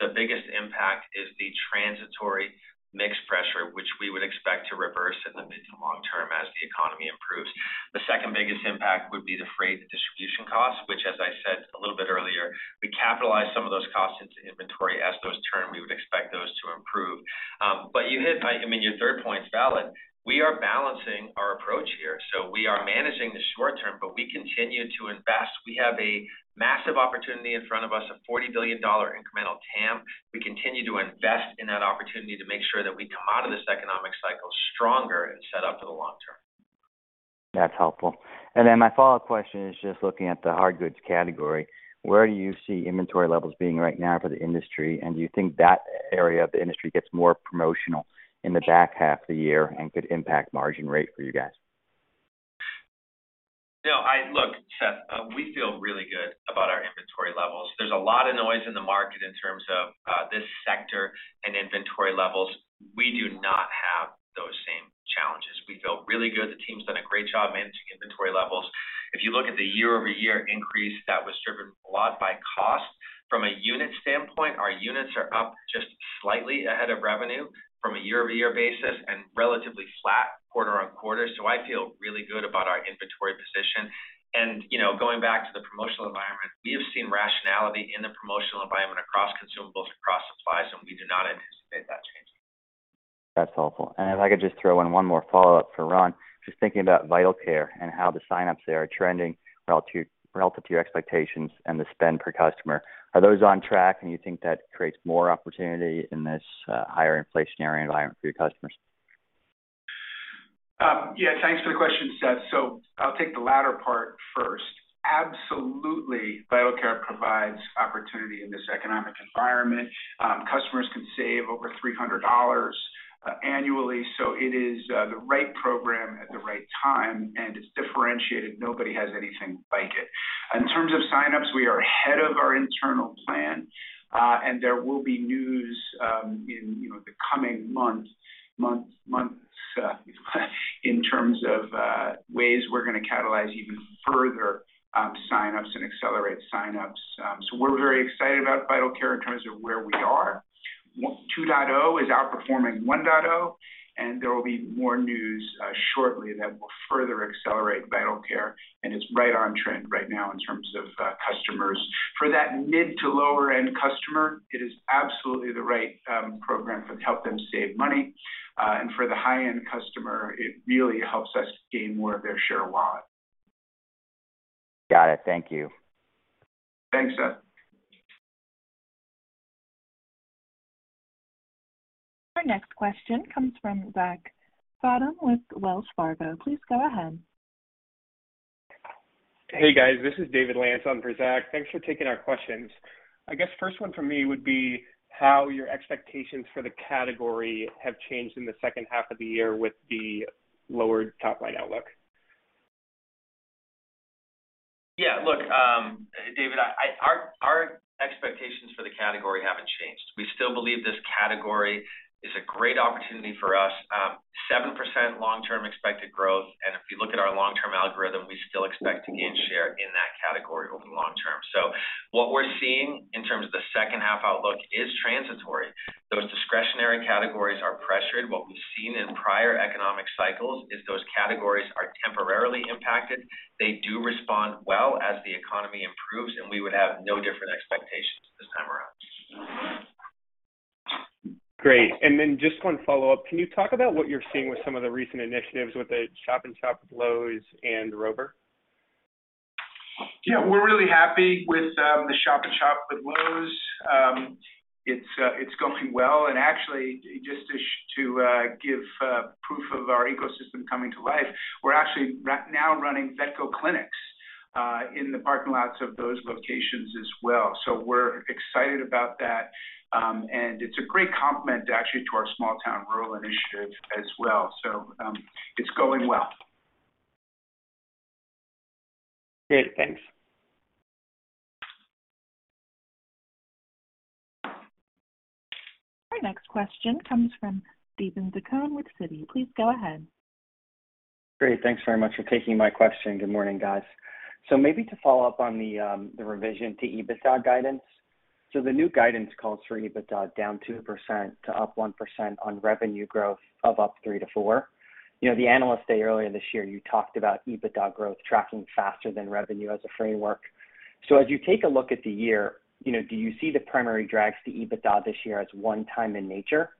The biggest impact is the transitory mix pressure, which we would expect to reverse in the mid to long term as the economy improves. The second-biggest impact would be the freight and distribution costs, which, as I said a little bit earlier, we capitalize some of those costs into inventory. As those turn, we would expect those to improve. I mean, your third point's valid. We are balancing our approach here. We are managing the short term, but we continue to invest. We have a massive opportunity in front of us, a $40 billion incremental TAM. We continue to invest in that opportunity to make sure that we come out of this economic cycle stronger and set up for the long term. That's helpful. My follow-up question is just looking at the hard goods category. Where do you see inventory levels being right now for the industry, and do you think that area of the industry gets more promotional in the back half of the year and could impact margin rate for you guys? No, look, Seth, we feel really good about our inventory levels. There's a lot of noise in the market in terms of this sector and inventory levels. We do not have those same challenges. We feel really good. The team's done a great job managing inventory levels. If you look at the year-over-year increase, that was driven a lot by cost. From a unit standpoint, our units are up just slightly ahead of revenue from a year-over-year basis and relatively flat quarter-over-quarter. I feel really good about our inventory position. You know, going back to the promotional environment, we have seen rationality in the promotional environment across consumables, across supplies, and we do not anticipate that changing. That's helpful. If I could just throw in one more follow-up for Ron, just thinking about Vital Care and how the signups there are trending relative to your expectations and the spend per customer. Are those on track, and you think that creates more opportunity in this higher inflationary environment for your customers? Yeah. Thanks for the question, Seth. I'll take the latter part first. Absolutely, Vital Care provides opportunity in this economic environment. Customers can save over $300 annually, so it is the right program at the right time, and it's differentiated. Nobody has anything like it. In terms of signups, we are ahead of our internal plan, and there will be news in you know the coming months. In terms of ways we're gonna catalyze even further, sign-ups and accelerate sign-ups. We're very excited about Vital Care in terms of where we are. 2.0 is outperforming 1.0, and there will be more news shortly that will further accelerate Vital Care, and it's right on trend right now in terms of customers. For that mid to lower-end customer, it is absolutely the right program to help them save money. For the high-end customer, it really helps us gain more of their share of wallet. Got it. Thank you. Thanks, Seth. Our next question comes from Zachary Fadem with Wells Fargo. Please go ahead. Hey, guys. This is David Lantz on for Zach. Thanks for taking our questions. I guess first one for me would be how your expectations for the category have changed in the second half of the year with the lowered top-line outlook. Yeah. Look, David Lantz, our expectations for the category haven't changed. We still believe this category is a great opportunity for us. 7% long-term expected growth. If you look at our long-term algorithm, we still expect to gain share in that category over the long term. What we're seeing in terms of the second half outlook is transitory. Those discretionary categories are pressured. What we've seen in prior economic cycles is those categories are temporarily impacted. They do respond well as the economy improves, and we would have no different expectations this time around. Great. Just one follow-up. Can you talk about what you're seeing with some of the recent initiatives with the shop-in-shop with Lowe's and Rover? Yeah. We're really happy with the Shop & Shop with Lowe's. It's going well. Actually, just to give proof of our ecosystem coming to life, we're actually now running Vetco clinics in the parking lots of those locations as well. We're excited about that. It's a great complement, actually, to our small town rural initiative as well. It's going well. Great. Thanks. Our next question comes from Steven Zaccone with Citi. Please go ahead. Great. Thanks very much for taking my question. Good morning, guys. Maybe to follow up on the revision to EBITDA guidance. The new guidance calls for EBITDA down 2% to up 1% on revenue growth of up 3%-4%. You know, the Analyst Day earlier this year, you talked about EBITDA growth tracking faster than revenue as a framework. As you take a look at the year, you know, do you see the primary drags to EBITDA this year as one time in nature?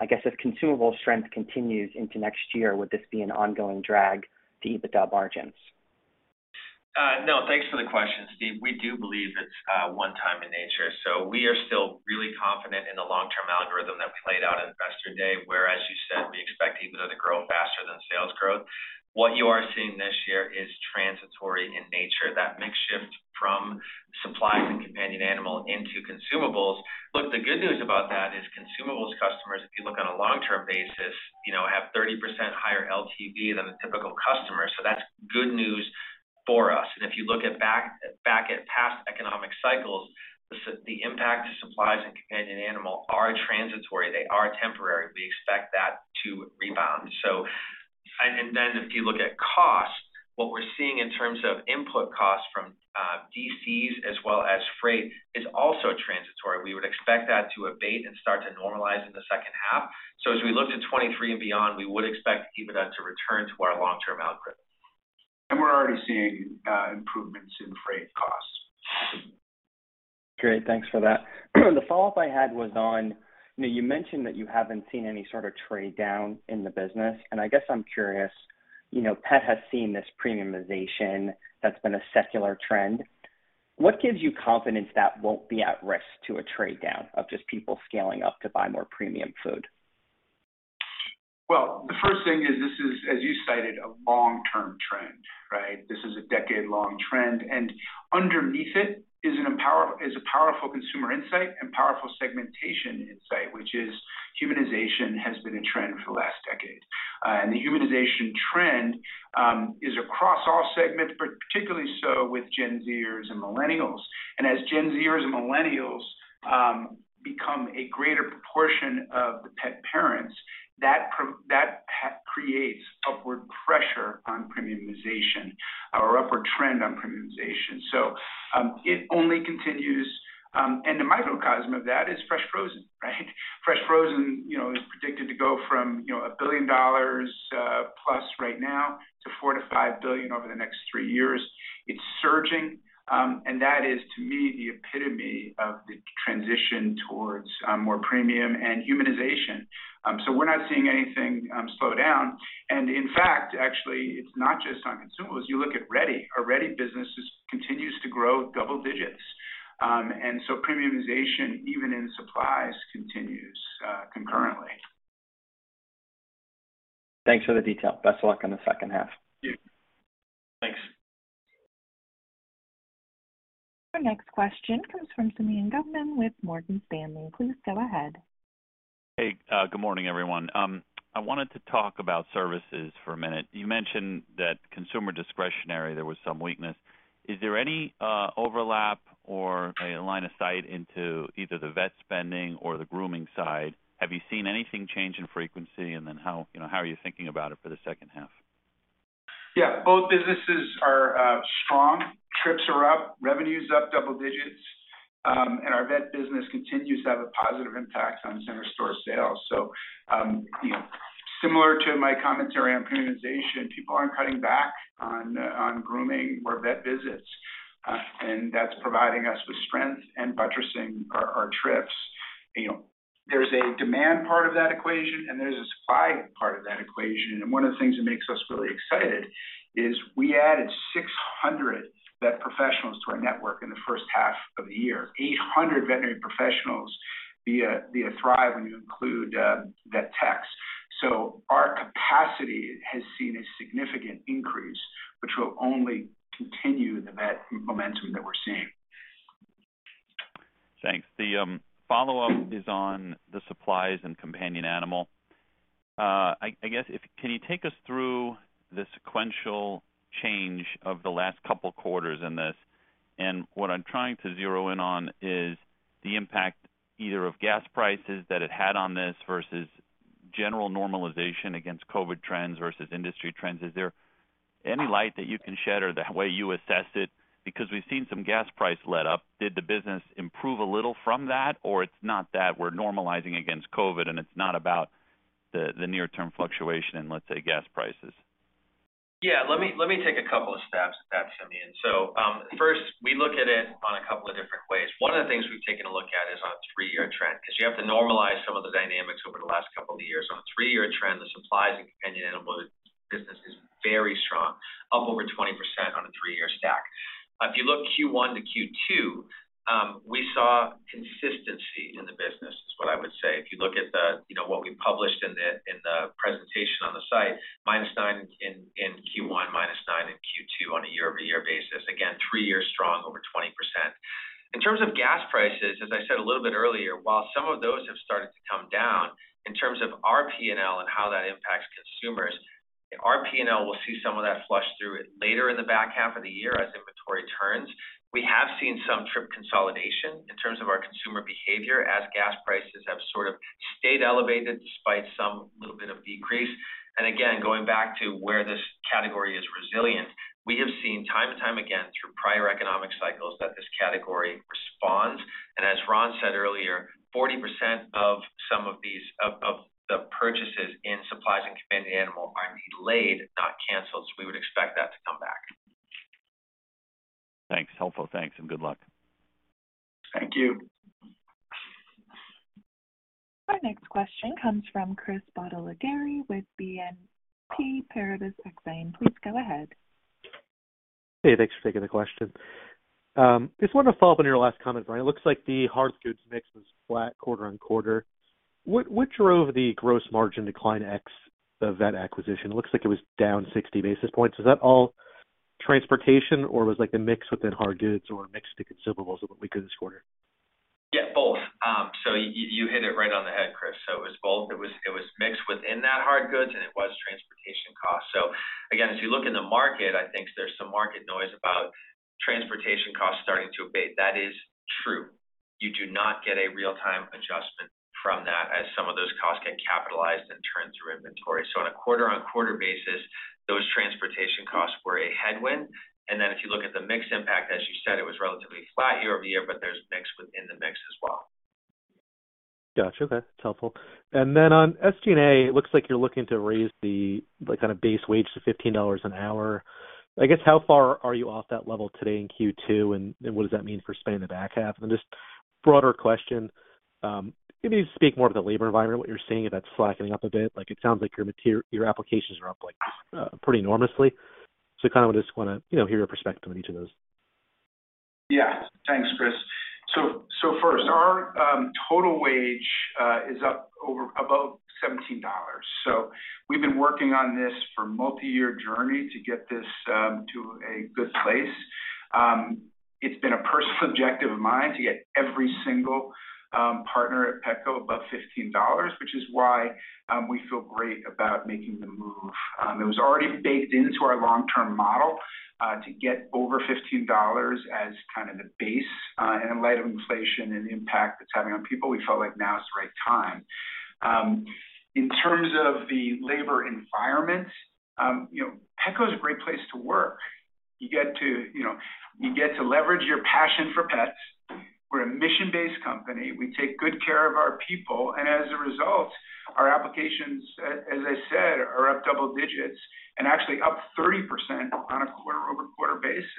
I guess if consumable strength continues into next year, would this be an ongoing drag to EBITDA margins? No. Thanks for the question, Steve. We do believe it's one time in nature. We are still really confident in the long-term algorithm that we played out at Investor Day, where, as you said, we expect EBITDA to grow faster than sales growth. What you are seeing this year is transitory in nature, that mix shift from supplies and companion animal into consumables. Look, the good news about that is consumables customers, if you look on a long-term basis, you know, have 30% higher LTV than a typical customer. That's good news for us. If you look back at past economic cycles, the impact to supplies and companion animal are transitory. They are temporary. We expect that to rebound. If you look at cost, what we're seeing in terms of input costs from DCs as well as freight is also transitory. We would expect that to abate and start to normalize in the second half. As we look to 2023 and beyond, we would expect EBITDA to return to our long-term algorithm. We're already seeing improvements in freight costs. Great. Thanks for that. The follow-up I had was on, you know, you mentioned that you haven't seen any sort of trade down in the business, and I guess I'm curious, you know, pet has seen this premiumization that's been a secular trend. What gives you confidence that won't be at risk to a trade down of just people scaling up to buy more premium food? Well, the first thing is this is, as you cited, a long-term trend, right? This is a decade-long trend, and underneath it is a powerful consumer insight and powerful segmentation insight, which is humanization has been a trend for the last decade. The humanization trend is across all segments, but particularly so with Gen Zers and millennials. As Gen Zers and millennials become a greater proportion of the pet parents, that creates upward pressure on premiumization or upward trend on premiumization. It only continues. The microcosm of that is fresh frozen, right? Fresh frozen, you know, is predicted to go from, you know, $1 billion plus right now to $4 billion-$5 billion over the next three years. It's surging. That is, to me, the epitome of the transition towards more premium and humanization. We're not seeing anything slow down. In fact, actually, it's not just on consumables. You look at Reddy. Our Reddy business continues to grow double digits. Premiumization, even in supplies, continues concurrently. Thanks for the detail. Best of luck on the second half. Thank you. Thanks. Our next question comes from Simeon Gutman with Morgan Stanley. Please go ahead. Hey. Good morning, everyone. I wanted to talk about services for a minute. You mentioned that consumer discretionary, there was some weakness. Is there any overlap or a line of sight into either the vet spending or the grooming side? Have you seen anything change in frequency? How, you know, how are you thinking about it for the second half? Yeah, both businesses are strong. Trips are up, revenue's up double digits, and our vet business continues to have a positive impact on center store sales. You know, similar to my commentary on premiumization, people aren't cutting back on grooming or vet visits. That's providing us with strength and buttressing our trips. You know, there's a demand part of that equation, and there's a supply part of that equation. One of the things that makes us really excited is we added 600 vet professionals to our network in the first half of the year. 800 veterinary professionals via Thrive when you include vet techs. Our capacity has seen a significant increase, which will only continue the vet momentum that we're seeing. Thanks. The follow-up is on the supplies and companion animal. I guess can you take us through the sequential change of the last couple quarters in this? What I'm trying to zero in on is the impact either of gas prices that it had on this versus general normalization against COVID trends versus industry trends. Is there any light that you can shed or the way you assess it? Because we've seen some gas price letup. Did the business improve a little from that? Or it's not that, we're normalizing against COVID, and it's not about the near-term fluctuation in, let's say, gas prices. Yeah. Let me take a couple of stabs at that, Simeon. First, we look at it on a couple of different ways. One of the things we've taken a look at is on a three-year trend, 'cause you have to normalize some of the dynamics over the last couple of years. On a three-year trend, the supplies and companion animal business is very strong, up over 20% on a three-year stack. If you look Q1 to Q2, we saw consistency in the business, is what I would say. If you look at you know, what we published in the presentation on the site, -9% in Q1, -9% in Q2 on a year-over-year basis. Again, three years strong, over 20%. In terms of gas prices, as I said a little bit earlier, while some of those have started to come down, in terms of our P&L and how that impacts consumers, our P&L will see some of that flush through it later in the back half of the year as inventory turns. We have seen some trip consolidation in terms of our consumer behavior as gas prices have sort of stayed elevated despite some little bit of decrease. Again, going back to where this category is resilient, we have seen time and time again through prior economic cycles that this category responds. As Ron said earlier, 40% of some of these purchases in supplies and companion animal are delayed, not canceled, so we would expect that to come back. Thanks. Helpful. Thanks, and good luck. Thank you. Our next question comes from Chris Bottiglieri with BNP Paribas Exane. Please go ahead. Hey, thanks for taking the question. Just wanted to follow up on your last comment, Ron. It looks like the hard goods mix was flat quarter-over-quarter. What drove the gross margin decline ex the vet acquisition? It looks like it was down 60 basis points. Is that all transportation or was like the mix within hard goods or mix to consumables over the weakest quarter? Yeah, both. You hit it right on the head, Chris. It was both. It was mixed within that hard goods, and it was transportation costs. Again, if you look in the market, I think there's some market noise about transportation costs starting to abate. That is true. You do not get a real-time adjustment from that as some of those costs get capitalized and turned through inventory. On a quarter-on-quarter basis, those transportation costs were a headwind. If you look at the mix impact, as you said, it was relatively flat year over year, but there's mix within the mix as well. Gotcha. Okay. That's helpful. On SG&A, it looks like you're looking to raise the, like, kind of base wage to $15 an hour. I guess, how far are you off that level today in Q2, and what does that mean for spend in the back half? Just broader question, can you speak more of the labor environment, what you're seeing if that's slacking up a bit? Like, it sounds like your applications are up, like, pretty enormously. Kind of just wanna, you know, hear your perspective on each of those. Yeah. Thanks, Chris. First, our total wage is up over about $17. We've been working on this for a multi-year journey to get this to a good place. It's been a personal objective of mine to get every single partner at Petco above $15, which is why we feel great about making the move. It was already baked into our long-term model to get over $15 as kind of the base. In light of inflation and the impact it's having on people, we felt like now is the right time. In terms of the labor environment, you know, Petco is a great place to work. You get to, you know, you get to leverage your passion for pets. We're a mission-based company. We take good care of our people. As a result, our applications, as I said, are up double digits and actually up 30% on a quarter-over-quarter basis.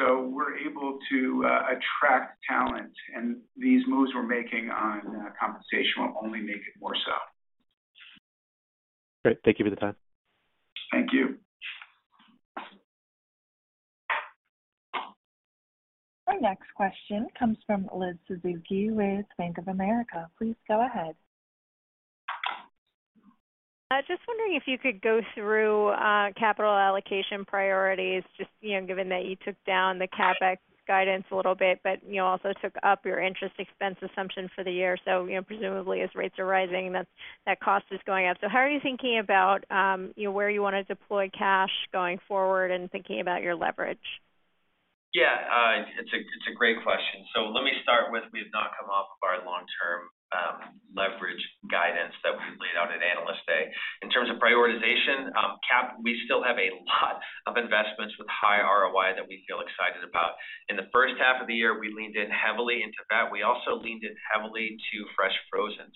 We're able to attract talent, and these moves we're making on compensation will only make it more so. Great. Thank you for the time. Thank you. Our next question comes from Elizabeth Suzuki with Bank of America. Please go ahead. Just wondering if you could go through capital allocation priorities, just, you know, given that you took down the CapEx guidance a little bit, but, you know, also took up your interest expense assumption for the year. Presumably as rates are rising, that's that cost is going up. How are you thinking about, you know, where you wanna deploy cash going forward and thinking about your leverage? Yeah, it's a great question. Let me start with we have not come off of our long-term leverage guidance that we've laid out at Analyst Day. In terms of prioritization, we still have a lot of investments with high ROI that we feel excited about. In the first half of the year, we leaned in heavily into vet. We also leaned in heavily to fresh frozen.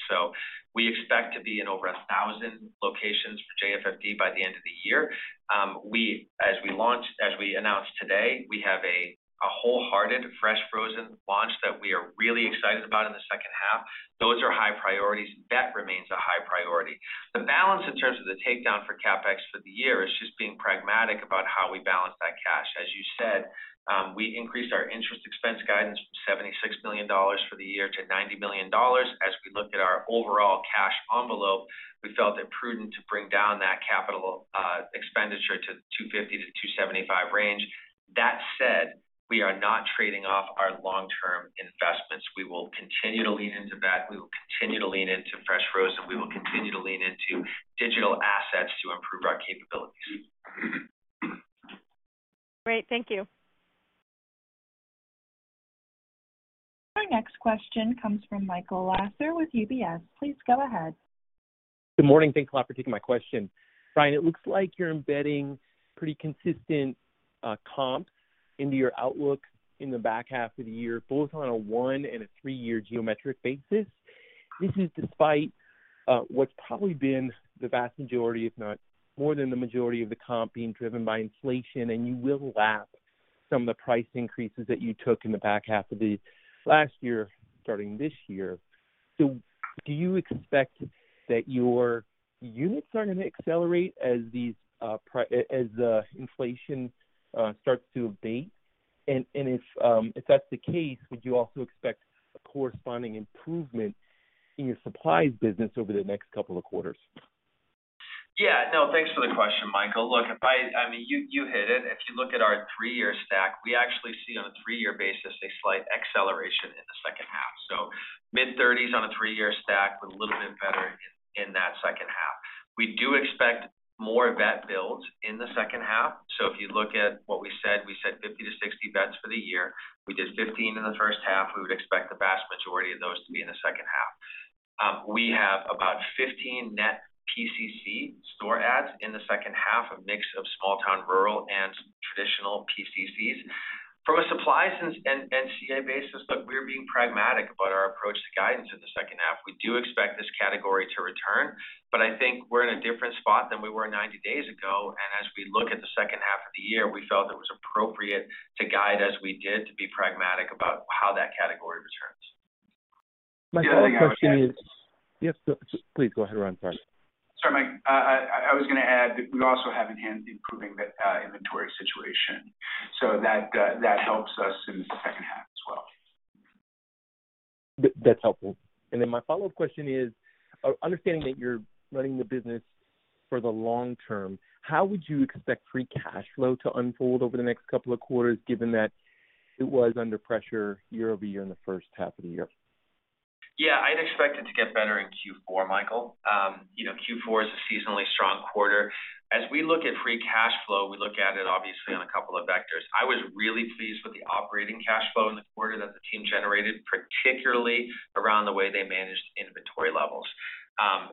We expect to be in over 1,000 locations for JFFD by the end of the year. As we announced today, we have a WholeHearted fresh frozen launch that we are really excited about in the second half. Those are high priorities. Vet remains a high priority. The balance in terms of the takedown for CapEx for the year is just being pragmatic about how we balance that cash. As you said, we increased our interest expense guidance from $76 million for the year to $90 million. As we looked at our overall cash envelope, we felt it prudent to bring down that capital expenditure to $250 million-$275 million range. That said, we are not trading off our long-term investments. We will continue to lean into vet, we will continue to lean into fresh frozen, we will continue to lean into digital assets to improve our capabilities. Great. Thank you. Our next question comes from Michael Lasser with UBS. Please go ahead. Good morning. Thanks a lot for taking my question. Brian, it looks like you're embedding pretty consistent comp into your outlook in the back half of the year, both on a one and three year geometric basis. This is despite what's probably been the vast majority, if not more than the majority, of the comp being driven by inflation, and you will lap some of the price increases that you took in the back half of the last year, starting this year. Do you expect that your units are gonna accelerate as the inflation starts to abate? And if that's the case, would you also expect a corresponding improvement in your supplies business over the next couple of quarters? Yeah. No, thanks for the question, Michael. Look, I mean, you hit it. If you look at our three-year stack, we actually see on a three-year basis a slight acceleration in the second half. Mid-30s% on a three-year stack with a little bit better in that second half. We do expect more vet builds in the second half. If you look at what we said, we said 50-60 vets for the year. We did 15 in the first half. We would expect the vast majority of those to be in the second half. We have about 15 net PCC store adds in the second half, a mix of small town rural and traditional PCCs. From a supply side and CA basis, look, we're being pragmatic about our approach to guidance in the second half. We do expect this category to return, but I think we're in a different spot than we were 90 days ago. As we look at the second half of the year, we felt it was appropriate to guide as we did to be pragmatic about how that category returns. My other question is. The other thing I would add. Yes, please go ahead, Ron. Sorry. Sorry, Mike. I was gonna add that we also have in hand improving the inventory situation. That helps us in the second half as well. That's helpful. My follow-up question is, understanding that you're running the business for the long term, how would you expect free cash flow to unfold over the next couple of quarters, given that it was under pressure year-over-year in the first half of the year? Yeah, I'd expect it to get better in Q4, Michael. You know, Q4 is a seasonally strong quarter. As we look at free cash flow, we look at it obviously on a couple of vectors. I was really pleased with the operating cash flow in the quarter that the team generated, particularly around the way they managed inventory levels.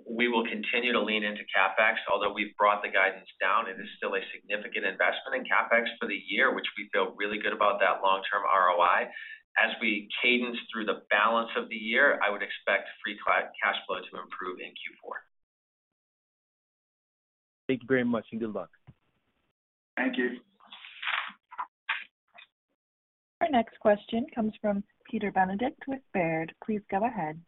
We will continue to lean into CapEx. Although we've brought the guidance down, it is still a significant investment in CapEx for the year, which we feel really good about that long-term ROI. As we cadence through the balance of the year, I would expect free cash flow to improve in Q4. Thank you very much, and good luck. Thank you. Our next question comes from Peter Benedict with Baird. Please go ahead.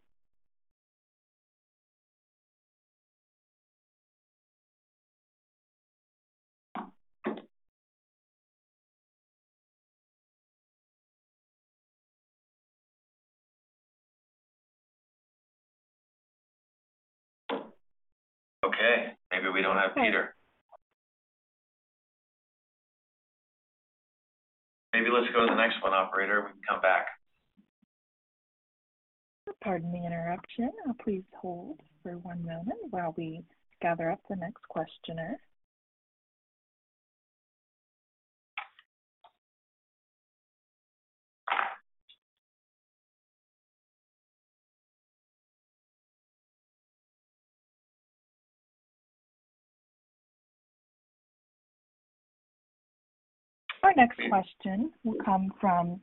Okay. Maybe we don't have Peter. Maybe let's go to the next one, operator. We can come back. Pardon the interruption. Please hold for one moment while we gather up the next questioner. Our next question will come from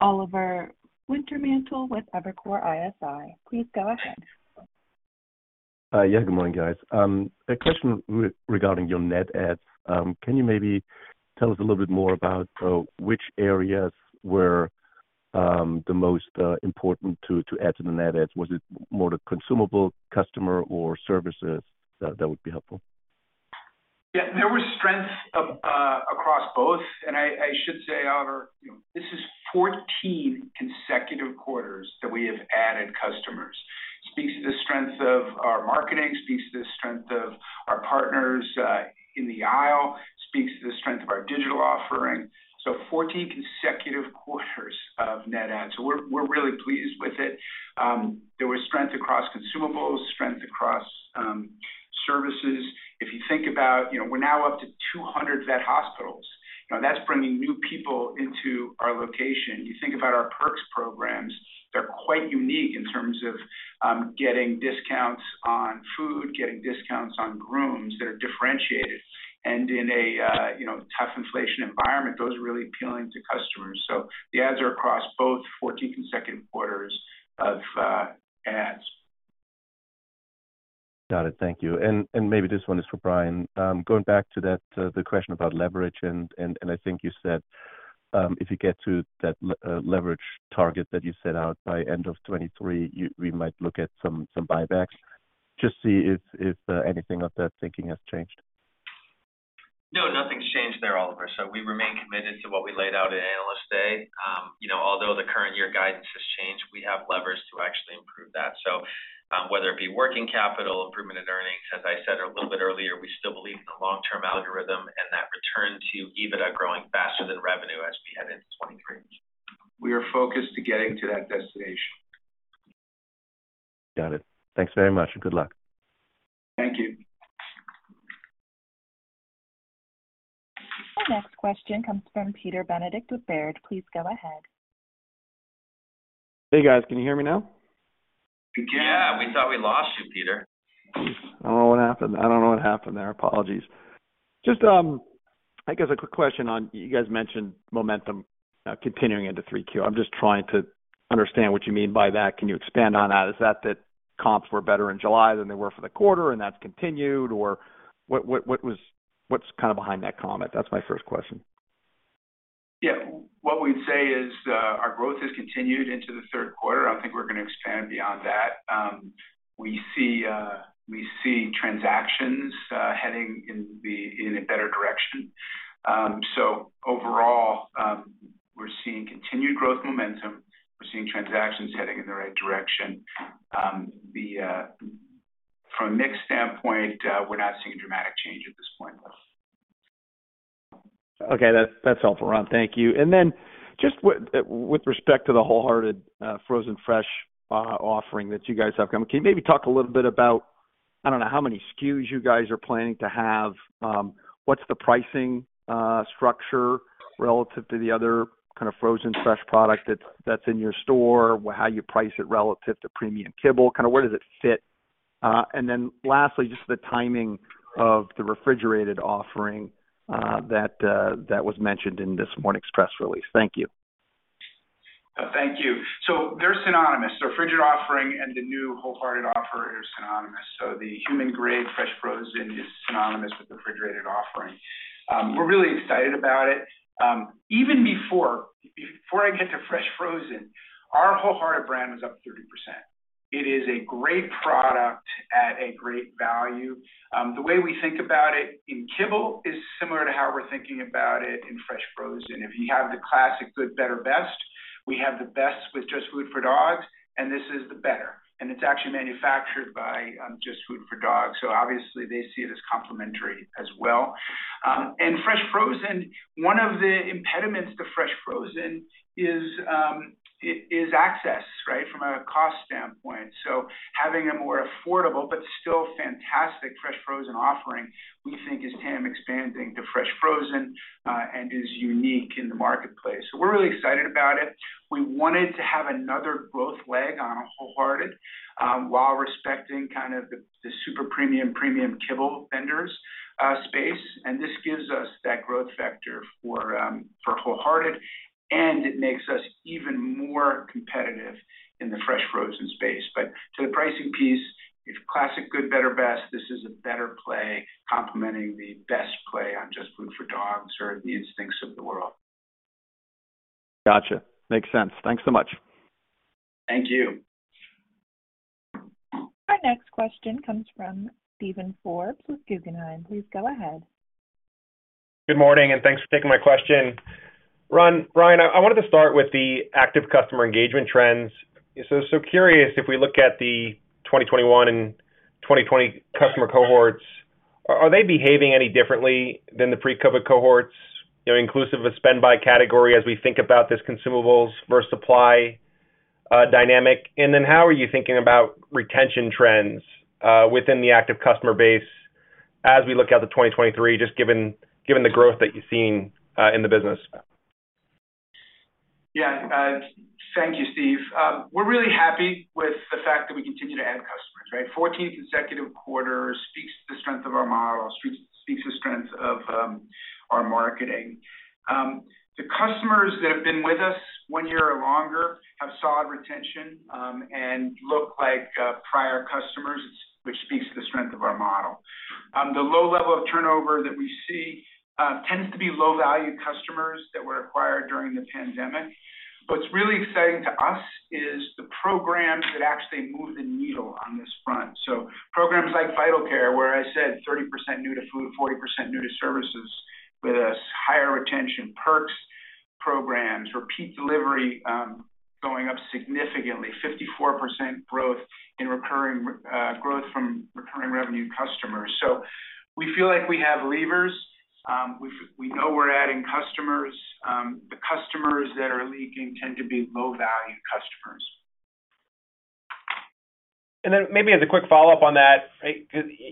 Oliver Wintermantel with Evercore ISI. Please go ahead. Yeah, good morning, guys. A question regarding your net adds. Can you maybe tell us a little bit more about which areas were the most important to add to the net adds? Was it more the consumable customer or services? That would be helpful. Yeah. There was strength across both. I should say, Oliver, you know, this is 14 consecutive quarters that we have added customers. Speaks to the strength of our marketing, speaks to the strength of our partners in the aisle, speaks to the strength of our digital offering. 14 consecutive quarters of net adds. We're really pleased with it. There was strength across consumables, strength across, Services. If you think about, you know, we're now up to 200 vet hospitals. Now that's bringing new people into our location. You think about our perks programs, they're quite unique in terms of, getting discounts on food, getting discounts on grooms that are differentiated. In a, you know, tough inflation environment, those are really appealing to customers. The ads are across both 14 consecutive quarters of, ads. Got it. Thank you. Maybe this one is for Brian. Going back to that, the question about leverage, and I think you said, if you get to that leverage target that you set out by end of 2023, we might look at some buybacks. Just see if anything of that thinking has changed. No, nothing's changed there, Oliver. We remain committed to what we laid out at Analyst Day. You know, although the current year guidance has changed, we have levers to actually improve that. Whether it be working capital, improvement in earnings, as I said a little bit earlier, we still believe in the long-term algorithm and that return to EBITDA growing faster than revenue as we head into 2023. We are focused on getting to that destination. Got it. Thanks very much, and good luck. Thank you. The next question comes from Peter Benedict with Baird. Please go ahead. Hey, guys. Can you hear me now? We can. Yeah. We thought we lost you, Peter. I don't know what happened there. Apologies. Just, I guess a quick question on you guys mentioned momentum continuing into 3Q. I'm just trying to understand what you mean by that. Can you expand on that? Is that the comps were better in July than they were for the quarter, and that's continued, or what's kinda behind that comment? That's my first question. Yeah. What we'd say is our growth has continued into the third quarter. I don't think we're gonna expand beyond that. We see transactions heading in a better direction. We're seeing continued growth momentum. We're seeing transactions heading in the right direction. From a mix standpoint, we're not seeing a dramatic change at this point. Okay. That's all for Ron. Thank you. Just with respect to the WholeHearted frozen fresh offering that you guys have coming, can you maybe talk a little bit about, I don't know, how many SKUs you guys are planning to have? What's the pricing structure relative to the other kind of frozen fresh product that's in your store? How you price it relative to premium kibble? Kinda where does it fit? Lastly, just the timing of the refrigerated offering that was mentioned in this morning's press release. Thank you. Thank you. They're synonymous. The fridge offering and the new WholeHearted offering are synonymous. The human-grade fresh frozen is synonymous with the refrigerated offering. We're really excited about it. Even before I get to fresh frozen, our WholeHearted brand was up 30%. It is a great product at a great value. The way we think about it in kibble is similar to how we're thinking about it in fresh frozen. If you have the classic good, better, best, we have the best with JustFoodForDogs, and this is the better. And it's actually manufactured by JustFoodForDogs, so obviously they see it as complementary as well. And fresh frozen, one of the impediments to fresh frozen is access, right? From a cost standpoint. Having a more affordable but still fantastic fresh frozen offering, we think is TAM expanding to fresh frozen, and is unique in the marketplace. We're really excited about it. We wanted to have another growth leg on WholeHearted, while respecting kind of the super premium kibble vendors space, and this gives us that growth factor for WholeHearted, and it makes us even more competitive in the fresh frozen space. To the pricing piece, if classic good, better, best, this is a better play complementing the best play on JustFoodForDogs or the Instinct of the world. Gotcha. Makes sense. Thanks so much. Thank you. Our next question comes from Steven Forbes with Guggenheim. Please go ahead. Good morning, and thanks for taking my question. Ron, Brian, I wanted to start with the active customer engagement trends. Curious, if we look at the 2021 and 2020 customer cohorts, are they behaving any differently than the pre-COVID cohorts, you know, inclusive of spend by category as we think about this consumables versus supply dynamic? Then how are you thinking about retention trends within the active customer base as we look at the 2023, just given the growth that you've seen in the business? Yeah. Thank you, Steve. We're really happy with the fact that we continue to add customers, right? 14 consecutive quarters speaks to the strength of our model, speaks to the strength of our marketing. The customers that have been with us one year or longer have solid retention and look like prior customers, which speaks to the strength of our model. The low level of turnover that we see tends to be low-value customers that were acquired during the pandemic. What's really exciting to us is the programs that actually move the needle on this front. Programs like Vital Care, where I said 30% new to food, 40% new to services, with a higher retention, perks programs, repeat delivery going up significantly, 54% growth from recurring revenue customers. We feel like we have levers. We know we're adding customers. The customers that are leaking tend to be low-value customers. Maybe as a quick follow-up on that,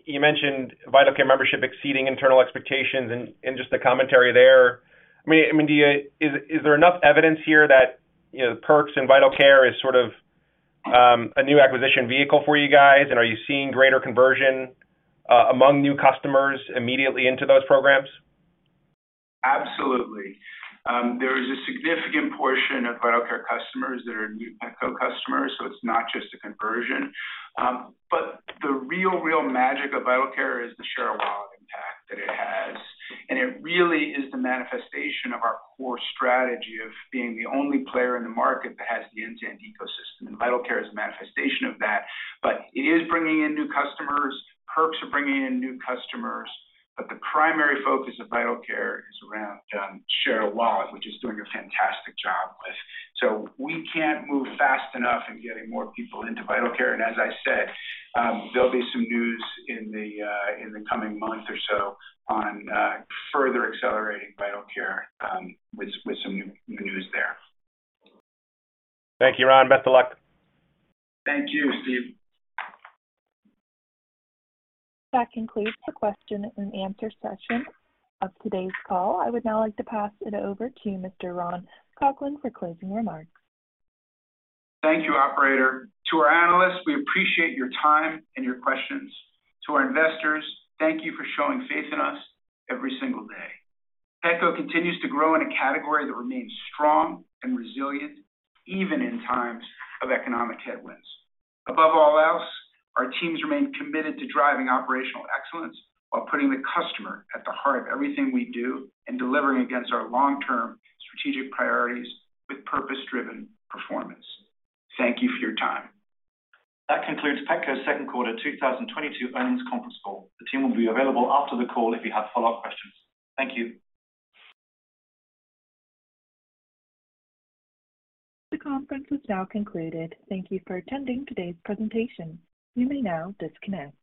you mentioned Vital Care membership exceeding internal expectations and just the commentary there. I mean, is there enough evidence here that, you know, perks and Vital Care is sort of a new acquisition vehicle for you guys? Are you seeing greater conversion among new customers immediately into those programs? Absolutely. There is a significant portion of Vital Care customers that are new Petco customers, so it's not just a conversion. The real magic of Vital Care is the share-of-wallet impact that it has. It really is the manifestation of our core strategy of being the only player in the market that has the end-to-end ecosystem, and Vital Care is a manifestation of that. It is bringing in new customers. Perks are bringing in new customers. The primary focus of Vital Care is around share-of-wallet, which is doing a fantastic job with. We can't move fast enough in getting more people into Vital Care. As I said, there'll be some news in the coming month or so on further accelerating Vital Care with some new news there. Thank you, Ron. Best of luck. Thank you, Steven. That concludes the question and answer session of today's call. I would now like to pass it over to Mr. Ron Coughlin for closing remarks. Thank you, operator. To our analysts, we appreciate your time and your questions. To our investors, thank you for showing faith in us every single day. Petco continues to grow in a category that remains strong and resilient, even in times of economic headwinds. Above all else, our teams remain committed to driving operational excellence while putting the customer at the heart of everything we do and delivering against our long-term strategic priorities with purpose-driven performance. Thank you for your time. That concludes Petco's second quarter 2022 earnings conference call. The team will be available after the call if you have follow-up questions. Thank you. The conference is now concluded. Thank you for attending today's presentation. You may now disconnect.